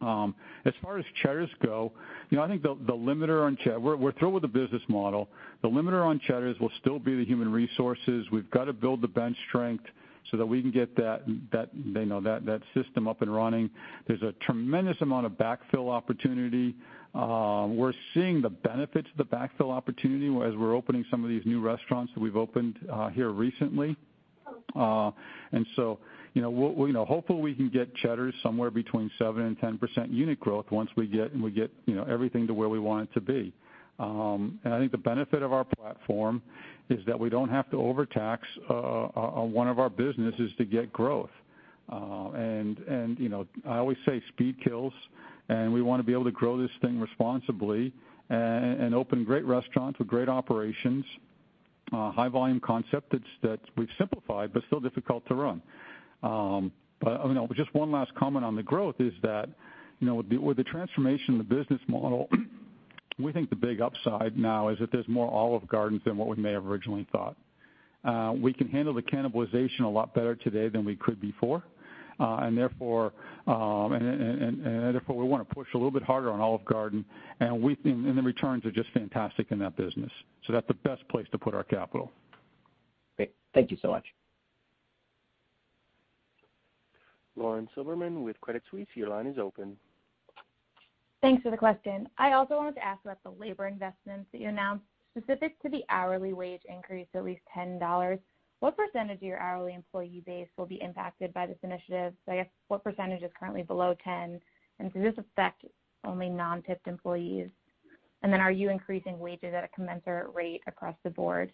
As far as Cheddar's go, I think the limiter on Cheddar, we're through with the business model. The limiter on Cheddar's will still be the human resources. We've got to build the bench strength so that we can get that system up and running. There's a tremendous amount of backfill opportunity. We're seeing the benefits of the backfill opportunity as we're opening some of these new restaurants that we've opened here recently. Hopefully we can get Cheddar's somewhere between 7-10% unit growth once we get everything to where we want it to be. I think the benefit of our platform is that we don't have to overtax one of our businesses to get growth. I always say speed kills. We want to be able to grow this thing responsibly and open great restaurants with great operations, high-volume concept that we've simplified but still difficult to run. Just one last comment on the growth is that with the transformation of the business model, we think the big upside now is that there's more Olive Gardens than what we may have originally thought. We can handle the cannibalization a lot better today than we could before. Therefore, we want to push a little bit harder on Olive Garden. The returns are just fantastic in that business. That's the best place to put our capital. Great. Thank you so much. Lauren Silverman with Credit Suisse, your line is open. Thanks for the question. I also wanted to ask about the labor investments that you announced specific to the hourly wage increase to at least $10. What percentage of your hourly employee base will be impacted by this initiative? I guess what percentage is currently below $10? Does this affect only non-tipped employees? Are you increasing wages at a commensurate rate across the board?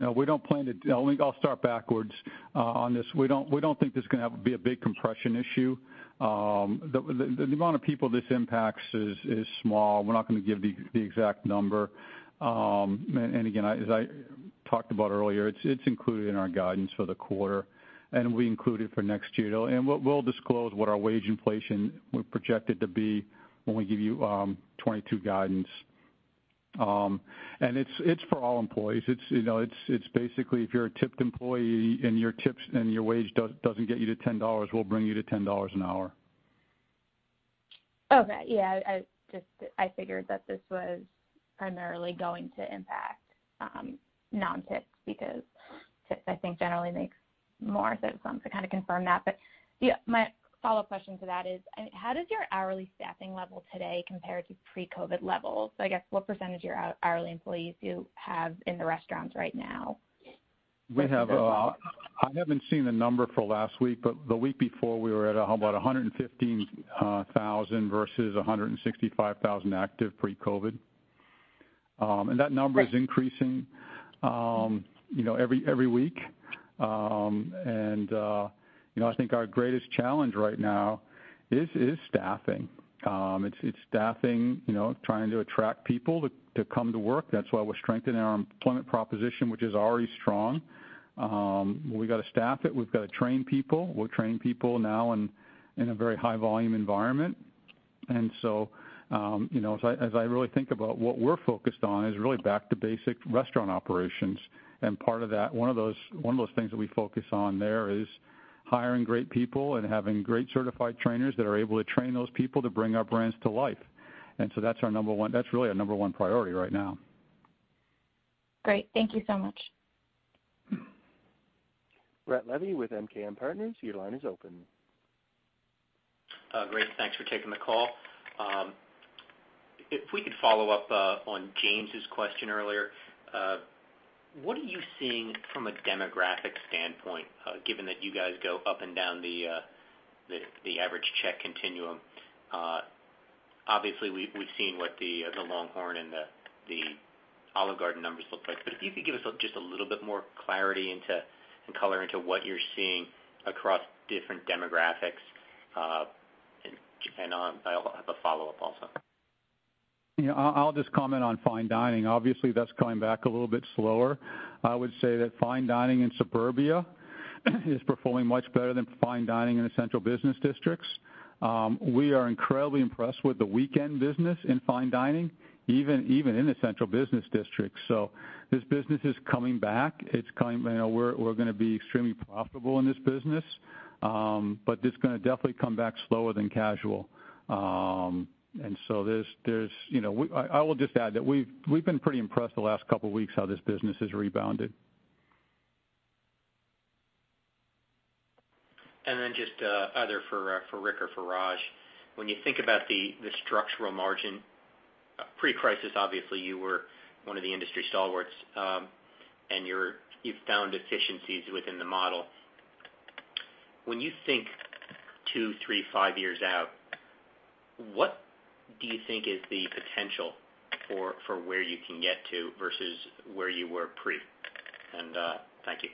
No, we don't plan to. I'll start backwards on this. We don't think this is going to be a big compression issue. The amount of people this impacts is small. We're not going to give the exact number. As I talked about earlier, it's included in our guidance for the quarter. We include it for next year. We'll disclose what our wage inflation we projected to be when we give you 2022 guidance. It's for all employees. Basically, if you're a tipped employee and your wage doesn't get you to $10, we'll bring you to $10 an hour. Okay. Yeah. I figured that this was primarily going to impact non-tips because tips, I think, generally make more sense confirm that. My follow-up question to that is, how does your hourly staffing level today compare to pre-COVID levels? I guess what percentage of your hourly employees do you have in the restaurants right now? We have about, I haven't seen the number for last week, but the week before, we were at about 115,000 versus 165,000 active pre-COVID. That number is increasing every week. I think our greatest challenge right now is staffing. It's staffing, trying to attract people to come to work. That's why we're strengthening our employment proposition, which is already strong. We've got to staff it. We've got to train people. We'll train people now in a very high-volume environment. As I really think about what we're focused on, it is really back to basic restaurant operations. Part of that, one of those things that we focus on there, is hiring great people and having great certified trainers that are able to train those people to bring our brands to life. That's our number one, that's really our number one priority right now. Great. Thank you so much. Brett Levy with MKM Partners, your line is open. Great. Thanks for taking the call. If we could follow up on James' question earlier, what are you seeing from a demographic standpoint, given that you guys go up and down the average check continuum? Obviously, we've seen what the LongHorn and the Olive Garden numbers look like. If you could give us just a little bit more clarity and color into what you're seeing across different demographics. I will have a follow-up also. Yeah. I'll just comment on fine dining. Obviously, that's coming back a little bit slower. I would say that fine dining in suburbia is performing much better than fine dining in the central business districts. We are incredibly impressed with the weekend business in fine dining, even in the central business districts. This business is coming back. We're going to be extremely profitable in this business, but it's going to definitely come back slower than casual. I will just add that we've been pretty impressed the last couple of weeks how this business has rebounded. Just either for Rick or for Raj, when you think about the structural margin, pre-crisis, obviously, you were one of the industry stalwarts, and you've found efficiencies within the model. When you think two, three, five years out, what do you think is the potential for where you can get to versus where you were pre? Thank you.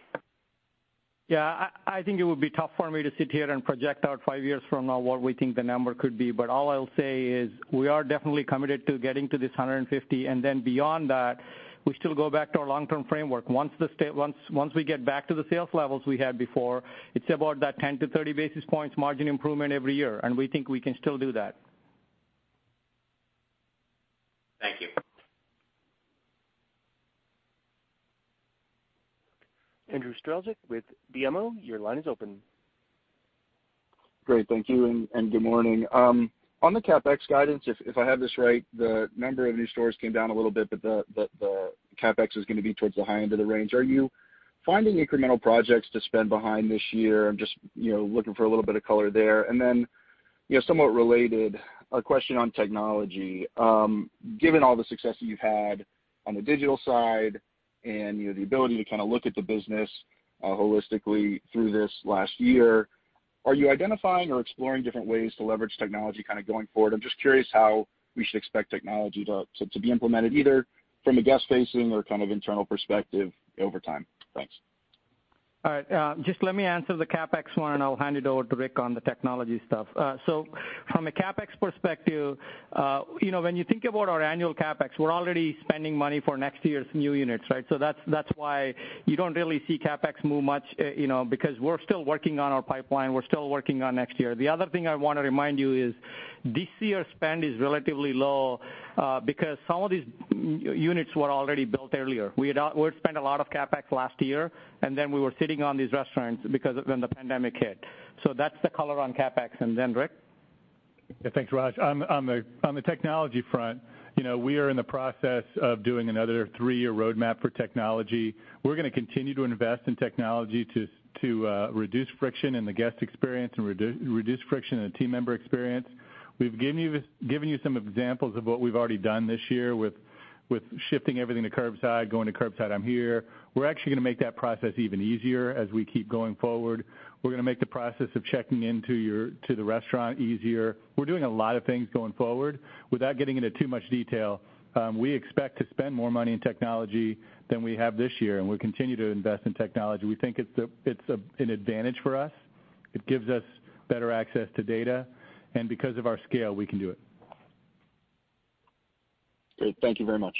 Yeah. I think it would be tough for me to sit here and project out five years from now what we think the number could be. All I'll say is we are definitely committed to getting to this 150. Beyond that, we still go back to our long-term framework. Once we get back to the sales levels we had before, it is about that 10-30 basis points margin improvement every year. We think we can still do that. Thank you. Andrew Strelzik with BMO, your line is open. Great. Thank you. Good morning. On the CapEx guidance, if I have this right, the number of new stores came down a little bit, but the CapEx is going to be towards the high end of the range. Are you finding incremental projects to spend behind this year? I'm just looking for a little bit of color there. Somewhat related, a question on technology. Given all the success that you've had on the digital side and the ability to look at the business holistically through this last year, are you identifying or exploring different ways to leverage technology going forward? I'm just curious how we should expect technology to be implemented, either from a guest-facing or internal perspective over time. Thanks. All right. Just let me answer the CapEx one, and I'll hand it over to Rick on the technology stuff. From a CapEx perspective, when you think about our annual CapEx, we're already spending money for next year's new units, right? That's why you don't really see CapEx move much because we're still working on our pipeline. We're still working on next year. The other thing I want to remind you is this year's spend is relatively low because some of these units were already built earlier. We spent a lot of CapEx last year, and then we were sitting on these restaurants because of when the pandemic hit. That's the color on CapEx. Rick? Yeah. Thanks, Raj. On the technology front, we are in the process of doing another three-year roadmap for technology. We're going to continue to invest in technology to reduce friction in the guest experience and reduce friction in the team member experience. We've given you some examples of what we've already done this year with shifting everything to curbside, going to curbside on here. We're actually going to make that process even easier as we keep going forward. We're going to make the process of checking into the restaurant easier. We're doing a lot of things going forward. Without getting into too much detail, we expect to spend more money in technology than we have this year, and we'll continue to invest in technology. We think it's an advantage for us. It gives us better access to data. Because of our scale, we can do it. Great. Thank you very much.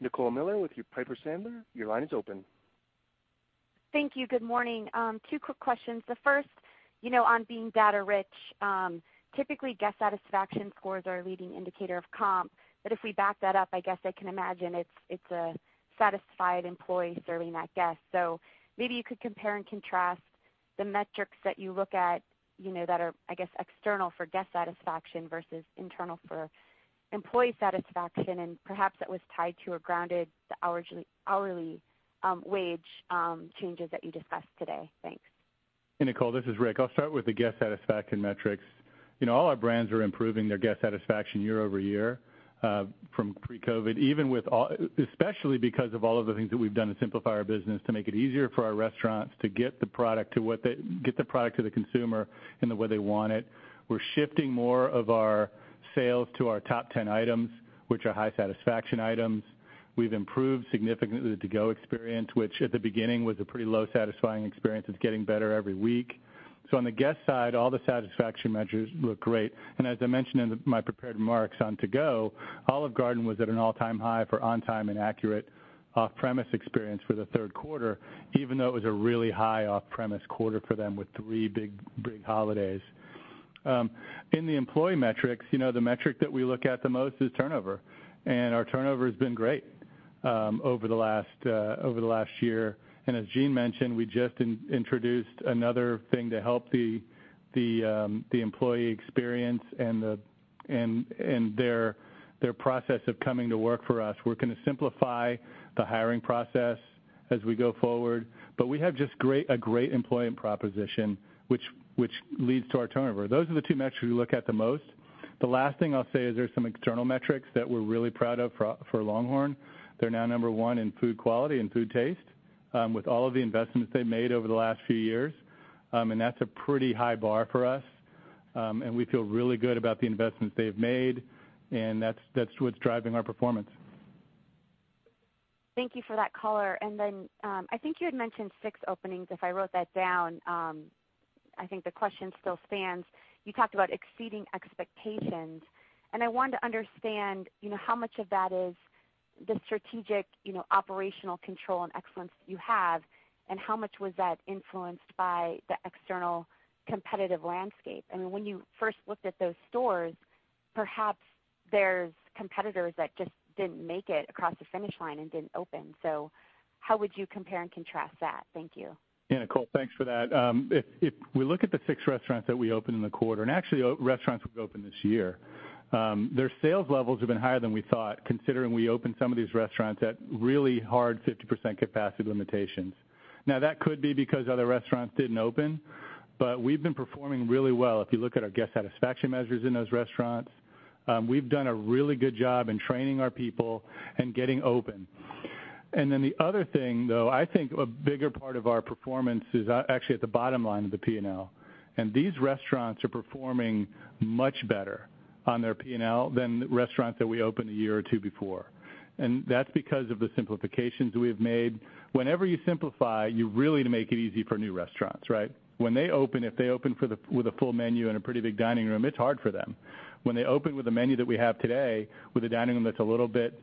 Nicole Miller with Piper Sandler, your line is open. Thank you. Good morning. Two quick questions. The first, on being data-rich, typically guest satisfaction scores are a leading indicator of comp. If we back that up, I guess I can imagine it's a satisfied employee serving that guest. Maybe you could compare and contrast the metrics that you look at that are, I guess, external for guest satisfaction versus internal for employee satisfaction, and perhaps that was tied to or grounded the hourly wage changes that you discussed today. Thanks. Hey, Nicole. This is Rick. I'll start with the guest satisfaction metrics. All our brands are improving their guest satisfaction year over year from pre-COVID, especially because of all of the things that we've done to simplify our business, to make it easier for our restaurants to get the product to the consumer in the way they want it. We're shifting more of our sales to our top 10 items, which are high-satisfaction items. We've improved significantly the to-go experience, which at the beginning was a pretty low-satisfying experience. It's getting better every week. On the guest side, all the satisfaction measures look great. As I mentioned in my prepared remarks on to-go, Olive Garden was at an all-time high for on-time and accurate off-premise experience for the third quarter, even though it was a really high off-premise quarter for them with three big holidays. In the employee metrics, the metric that we look at the most is turnover. Our turnover has been great over the last year. As Gene mentioned, we just introduced another thing to help the employee experience and their process of coming to work for us. We are going to simplify the hiring process as we go forward. We have just a great employment proposition, which leads to our turnover. Those are the two metrics we look at the most. The last thing I'll say is there are some external metrics that we are really proud of for LongHorn.They're now number one in food quality and food taste with all of the investments they've made over the last few years. That is a pretty high bar for us. We feel really good about the investments they've made. That is what is driving our performance. Thank you for that color. I think you had mentioned six openings. If I wrote that down, I think the question still stands. You talked about exceeding expectations. I wanted to understand how much of that is the strategic operational control and excellence you have, and how much was that influenced by the external competitive landscape? I mean, when you first looked at those stores, perhaps there's competitors that just didn't make it across the finish line and didn't open. How would you compare and contrast that? Thank you. Yeah. Nicole, thanks for that. If we look at the six restaurants that we opened in the quarter, and actually restaurants we've opened this year, their sales levels have been higher than we thought, considering we opened some of these restaurants at really hard 50% capacity limitations. Now, that could be because other restaurants didn't open. We've been performing really well. If you look at our guest satisfaction measures in those restaurants, we've done a really good job in training our people and getting open. The other thing, though, I think a bigger part of our performance is actually at the bottom line of the P&L. These restaurants are performing much better on their P&L than restaurants that we opened a year or two before. That's because of the simplifications we have made. Whenever you simplify, you really make it easy for new restaurants, right? When they open, if they open with a full menu and a pretty big dining room, it's hard for them. When they open with a menu that we have today with a dining room that's a little bit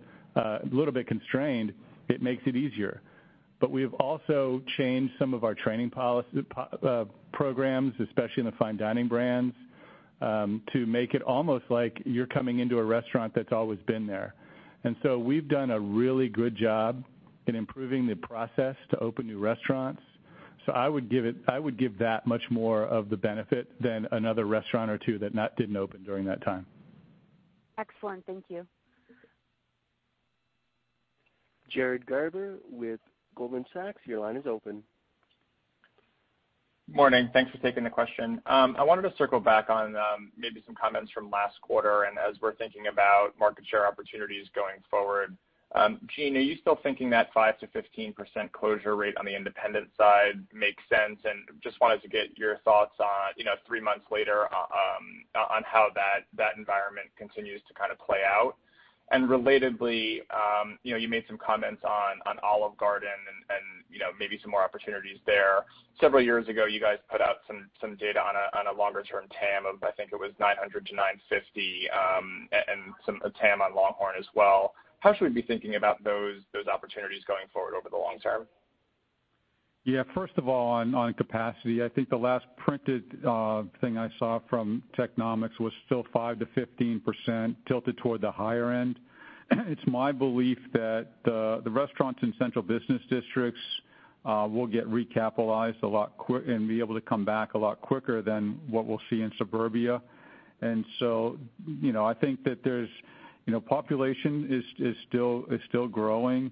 constrained, it makes it easier. We have also changed some of our training programs, especially in the fine dining brands, to make it almost like you're coming into a restaurant that's always been there. We have done a really good job in improving the process to open new restaurants. I would give that much more of the benefit than another restaurant or two that didn't open during that time. Excellent. Thank you. Jared Garber with Goldman Sachs, your line is open. Morning. Thanks for taking the question. I wanted to circle back on maybe some comments from last quarter and as we're thinking about market share opportunities going forward. Gene, are you still thinking that 5%-15% closure rate on the independent side makes sense? I just wanted to get your thoughts three months later on how that environment continues to play out. Relatedly, you made some comments on Olive Garden and maybe some more opportunities there. Several years ago, you guys put out some data on a longer-term TAM of, I think it was 900-950 and a TAM on LongHorn as well. How should we be thinking about those opportunities going forward over the long term? Yeah. First of all, on capacity, I think the last printed thing I saw from Technomic was still 5-15% tilted toward the higher end. It's my belief that the restaurants in central business districts will get recapitalized a lot and be able to come back a lot quicker than what we'll see in suburbia. I think that there's population is still growing.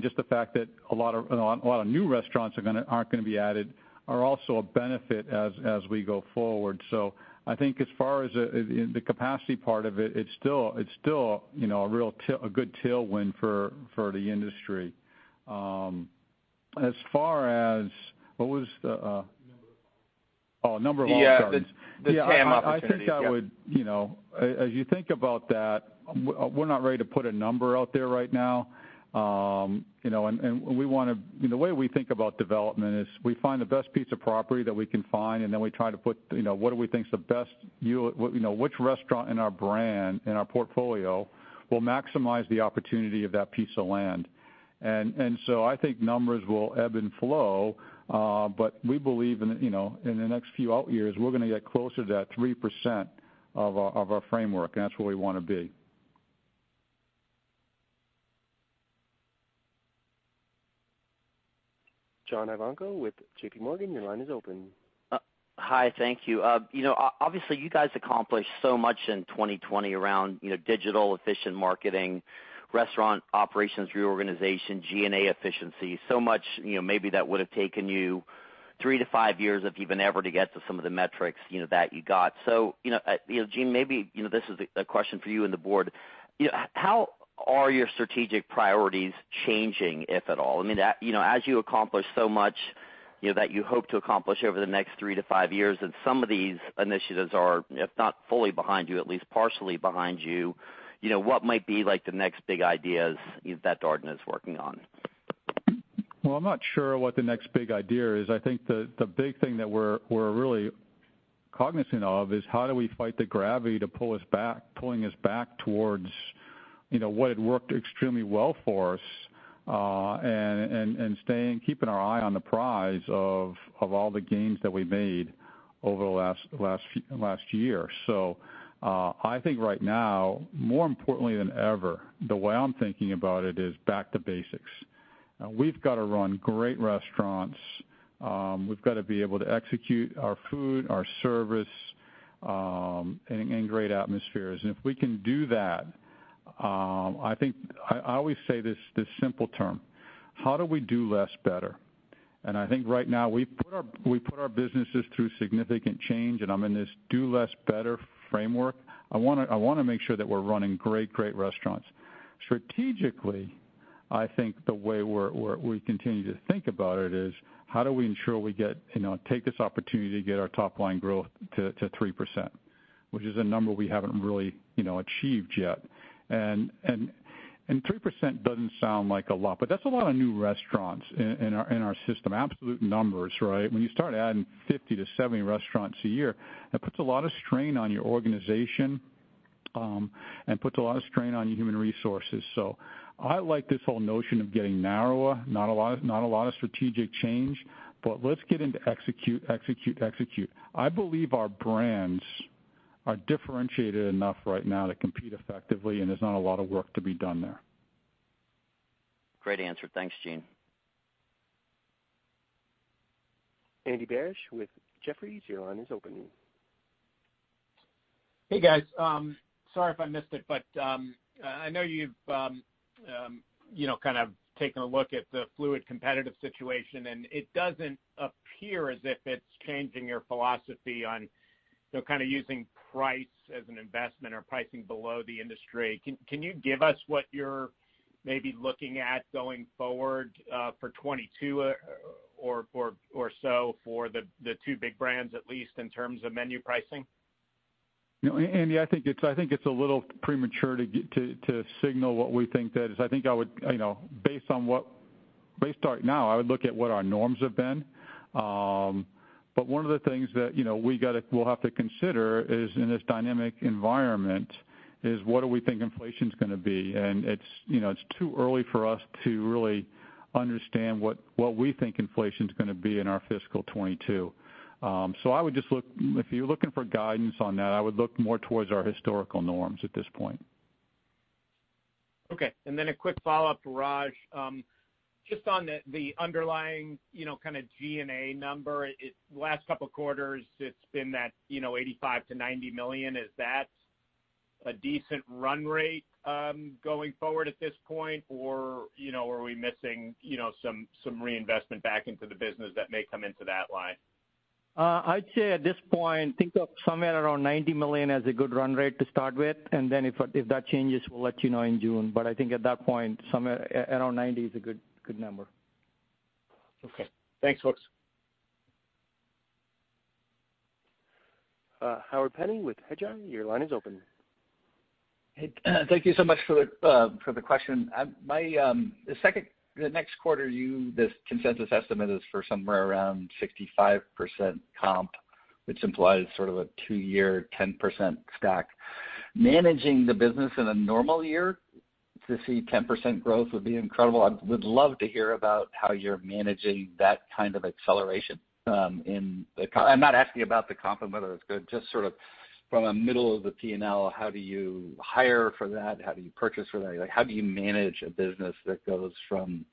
Just the fact that a lot of new restaurants aren't going to be added are also a benefit as we go forward. I think as far as the capacity part of it, it's still a real good tailwind for the industry. As far as what was the. Number of opportunities, I think that would, as you think about that, we're not ready to put a number out there right now. We want to, the way we think about development is we find the best piece of property that we can find, and then we try to put what do we think is the best, which restaurant in our brand, in our portfolio, will maximize the opportunity of that piece of land. I think numbers will ebb and flow, but we believe in the next few years, we're going to get closer to that 3% of our framework, and that's where we want to be. John Ivanko with JPMorgan, your line is open. Hi. Thank you. Obviously, you guys accomplished so much in 2020 around digital efficient marketing, restaurant operations reorganization, G&A efficiency, so much maybe that would have taken you three to five years if you've been able to get to some of the metrics that you got. Gene, maybe this is a question for you and the board. How are your strategic priorities changing, if at all? I mean, as you accomplish so much that you hope to accomplish over the next three to five years, and some of these initiatives are, if not fully behind you, at least partially behind you, what might be the next big ideas that Darden is working on? I'm not sure what the next big idea is. I think the big thing that we're really cognizant of is how do we fight the gravity to pull us back, pulling us back towards what had worked extremely well for us and keeping our eye on the prize of all the gains that we made over the last year. I think right now, more importantly than ever, the way I'm thinking about it is back to basics. We've got to run great restaurants. We've got to be able to execute our food, our service, and great atmospheres. If we can do that, I think I always say this simple term, how do we do less better? I think right now, we put our businesses through significant change, and I'm in this do less better framework. I want to make sure that we're running great, great restaurants. Strategically, I think the way we continue to think about it is how do we ensure we take this opportunity to get our top-line growth to 3%, which is a number we haven't really achieved yet. 3% doesn't sound like a lot, but that's a lot of new restaurants in our system, absolute numbers, right? When you start adding 50-70 restaurants a year, that puts a lot of strain on your organization and puts a lot of strain on your human resources. I like this whole notion of getting narrower, not a lot of strategic change, but let's get into execute, execute, execute. I believe our brands are differentiated enough right now to compete effectively, and there's not a lot of work to be done there. Great answer. Thanks, Gene. Andy Barish with Jefferies, your line is open. Hey, guys. Sorry if I missed it, but I know you've taken a look at the fluid competitive situation, and it doesn't appear as if it's changing your philosophy on using price as an investment or pricing below the industry. Can you give us what you're maybe looking at going forward for 2022 or so for the two big brands, at least in terms of menu pricing? Andy, I think it's a little premature to signal what we think that is. I think I would, based on what based right now, I would look at what our norms have been. One of the things that we'll have to consider is, in this dynamic environment, what do we think inflation's going to be? It's too early for us to really understand what we think inflation's going to be in our fiscal 2022. I would just look if you're looking for guidance on that, I would look more towards our historical norms at this point. Okay. A quick follow-up, Raj, just on the underlying G&A number, last couple of quarters, it's been that $85 million to $90 million. Is that a decent run rate going forward at this point, or are we missing some reinvestment back into the business that may come into that line? I'd say at this point, think of somewhere around $90 million as a good run rate to start with. If that changes, we'll let you know in June. I think at that point, somewhere around $90 million is a good number. Okay. Thanks, folks. Howard Penning with Hedgeyon, your line is open. Hey, thank you so much for the question. The next quarter, this consensus estimate is for somewhere around 65% comp, which implies a two-year 10% stack. Managing the business in a normal year to see 10% growth would be incredible. I would love to hear about how you're managing that acceleration in the comp. I'm not asking about the comp and whether it's good, just from a middle of the P&L, how do you hire for that? How do you purchase for that? How do you manage a business that goes from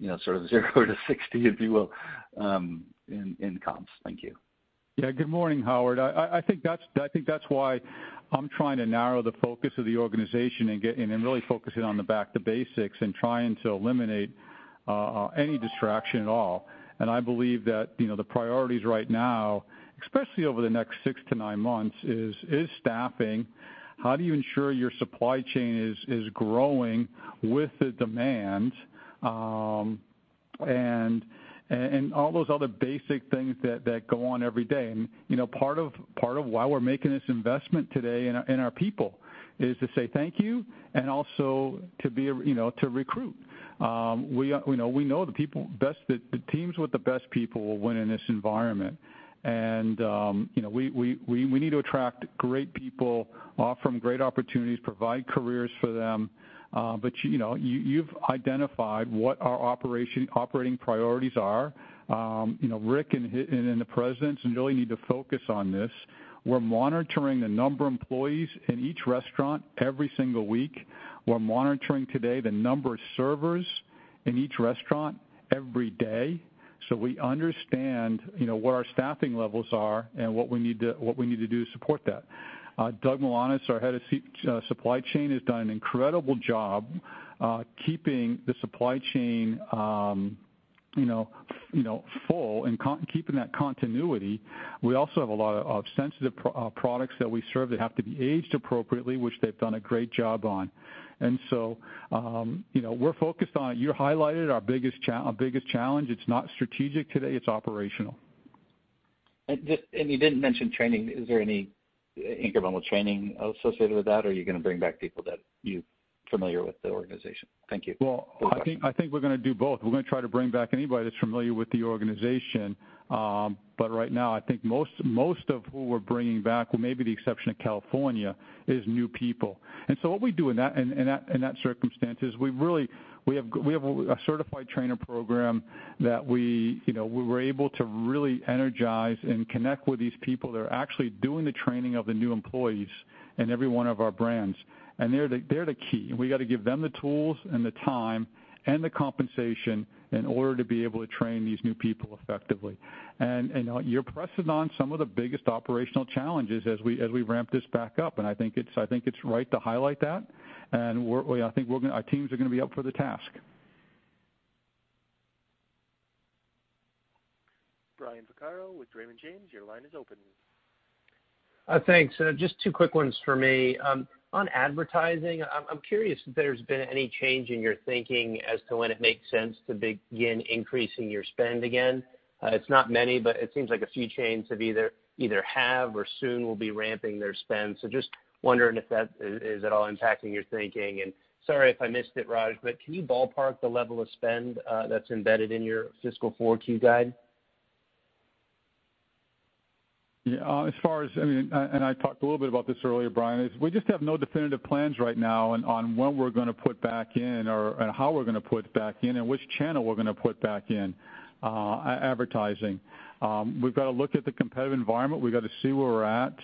0 to 60, if you will, in comps? Thank you. Yeah. Good morning, Howard. I think that's why I'm trying to narrow the focus of the organization and really focusing on the back-to-basics and trying to eliminate any distraction at all. I believe that the priorities right now, especially over the next six to nine months, is staffing. How do you ensure your supply chain is growing with the demand and all those other basic things that go on every day? Part of why we're making this investment today in our people is to say thank you and also to recruit. We know the teams with the best people will win in this environment. We need to attract great people, offer them great opportunities, provide careers for them. You've identified what our operating priorities are. Rick and the presidents really need to focus on this. We're monitoring the number of employees in each restaurant every single week. We're monitoring today the number of servers in each restaurant every day. We understand what our staffing levels are and what we need to do to support that. Doug Milanis, our Head of Supply Chain, has done an incredible job keeping the supply chain full and keeping that continuity. We also have a lot of sensitive products that we serve that have to be aged appropriately, which they've done a great job on. We are focused on it. You highlighted our biggest challenge. It's not strategic today. It's operational. You did not mention training. Is there any incremental training associated with that, or are you going to bring back people that are familiar with the organization? Thank you. I think we're going to do both. We're going to try to bring back anybody that's familiar with the organization. Right now, I think most of who we're bringing back, maybe with the exception of California, is new people. What we do in that circumstance is we have a certified trainer program that we were able to really energize and connect with these people that are actually doing the training of the new employees in every one of our brands. They're the key. We got to give them the tools and the time and the compensation in order to be able to train these new people effectively. You're pressing on some of the biggest operational challenges as we ramp this back up. I think it's right to highlight that. I think our teams are going to be up for the task. Brian Michael Vaccaro with Raymond James, your line is open. Thanks. Just two quick ones for me. On advertising, I'm curious if there's been any change in your thinking as to when it makes sense to begin increasing your spend again. It's not many, but it seems like a few chains have either have or soon will be ramping their spend. Just wondering if that is at all impacting your thinking. Sorry if I missed it, Raj, but can you ballpark the level of spend that's embedded in your fiscal forward-view guide? Yeah. As far as, I mean, and I talked a little bit about this earlier, Brian, is we just have no definitive plans right now on when we're going to put back in or how we're going to put back in and which channel we're going to put back in advertising. We've got to look at the competitive environment. We've got to see where we're at.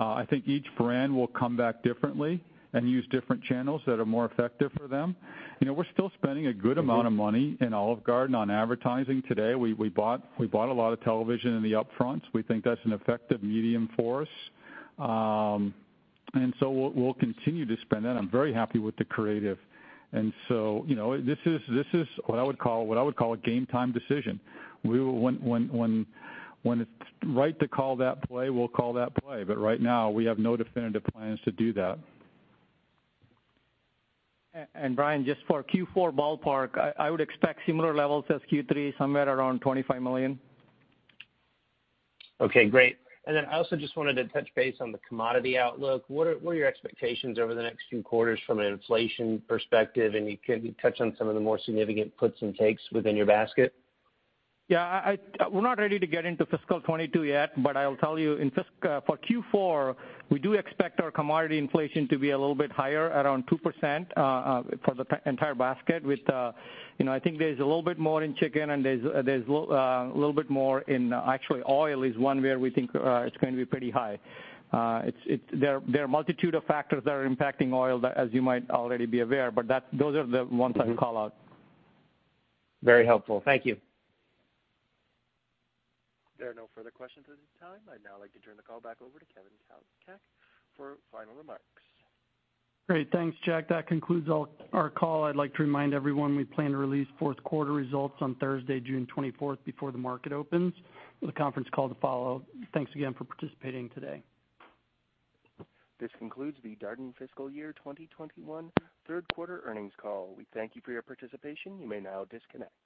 I think each brand will come back differently and use different channels that are more effective for them. We're still spending a good amount of money in Olive Garden on advertising today. We bought a lot of television in the upfronts. We think that's an effective medium for us. We will continue to spend that. I'm very happy with the creative. This is what I would call a game-time decision. When it's right to call that play, we'll call that play. Right now, we have no definitive plans to do that. Brian, just for Q4 ballpark, I would expect similar levels as Q3, somewhere around $25 million. Okay. Great. I also just wanted to touch base on the commodity outlook. What are your expectations over the next few quarters from an inflation perspective? Can you touch on some of the more significant puts and takes within your basket? Yeah. We're not ready to get into fiscal 2022 yet, but I'll tell you, for Q4, we do expect our commodity inflation to be a little bit higher, around 2% for the entire basket. I think there's a little bit more in chicken, and there's a little bit more in actually oil is one where we think it's going to be pretty high. There are a multitude of factors that are impacting oil, as you might already be aware, but those are the ones I'd call out. Very helpful. Thank you. There are no further questions at this time. I'd now like to turn the call back over to Kevin Kalicak for final remarks. Great. Thanks, Jack. That concludes our call. I'd like to remind everyone we plan to release fourth-quarter results on Thursday, June 24, before the market opens, with a conference call to follow. Thanks again for participating today. This concludes the Darden Fiscal Year 2021 third-quarter earnings call. We thank you for your participation. You may now disconnect.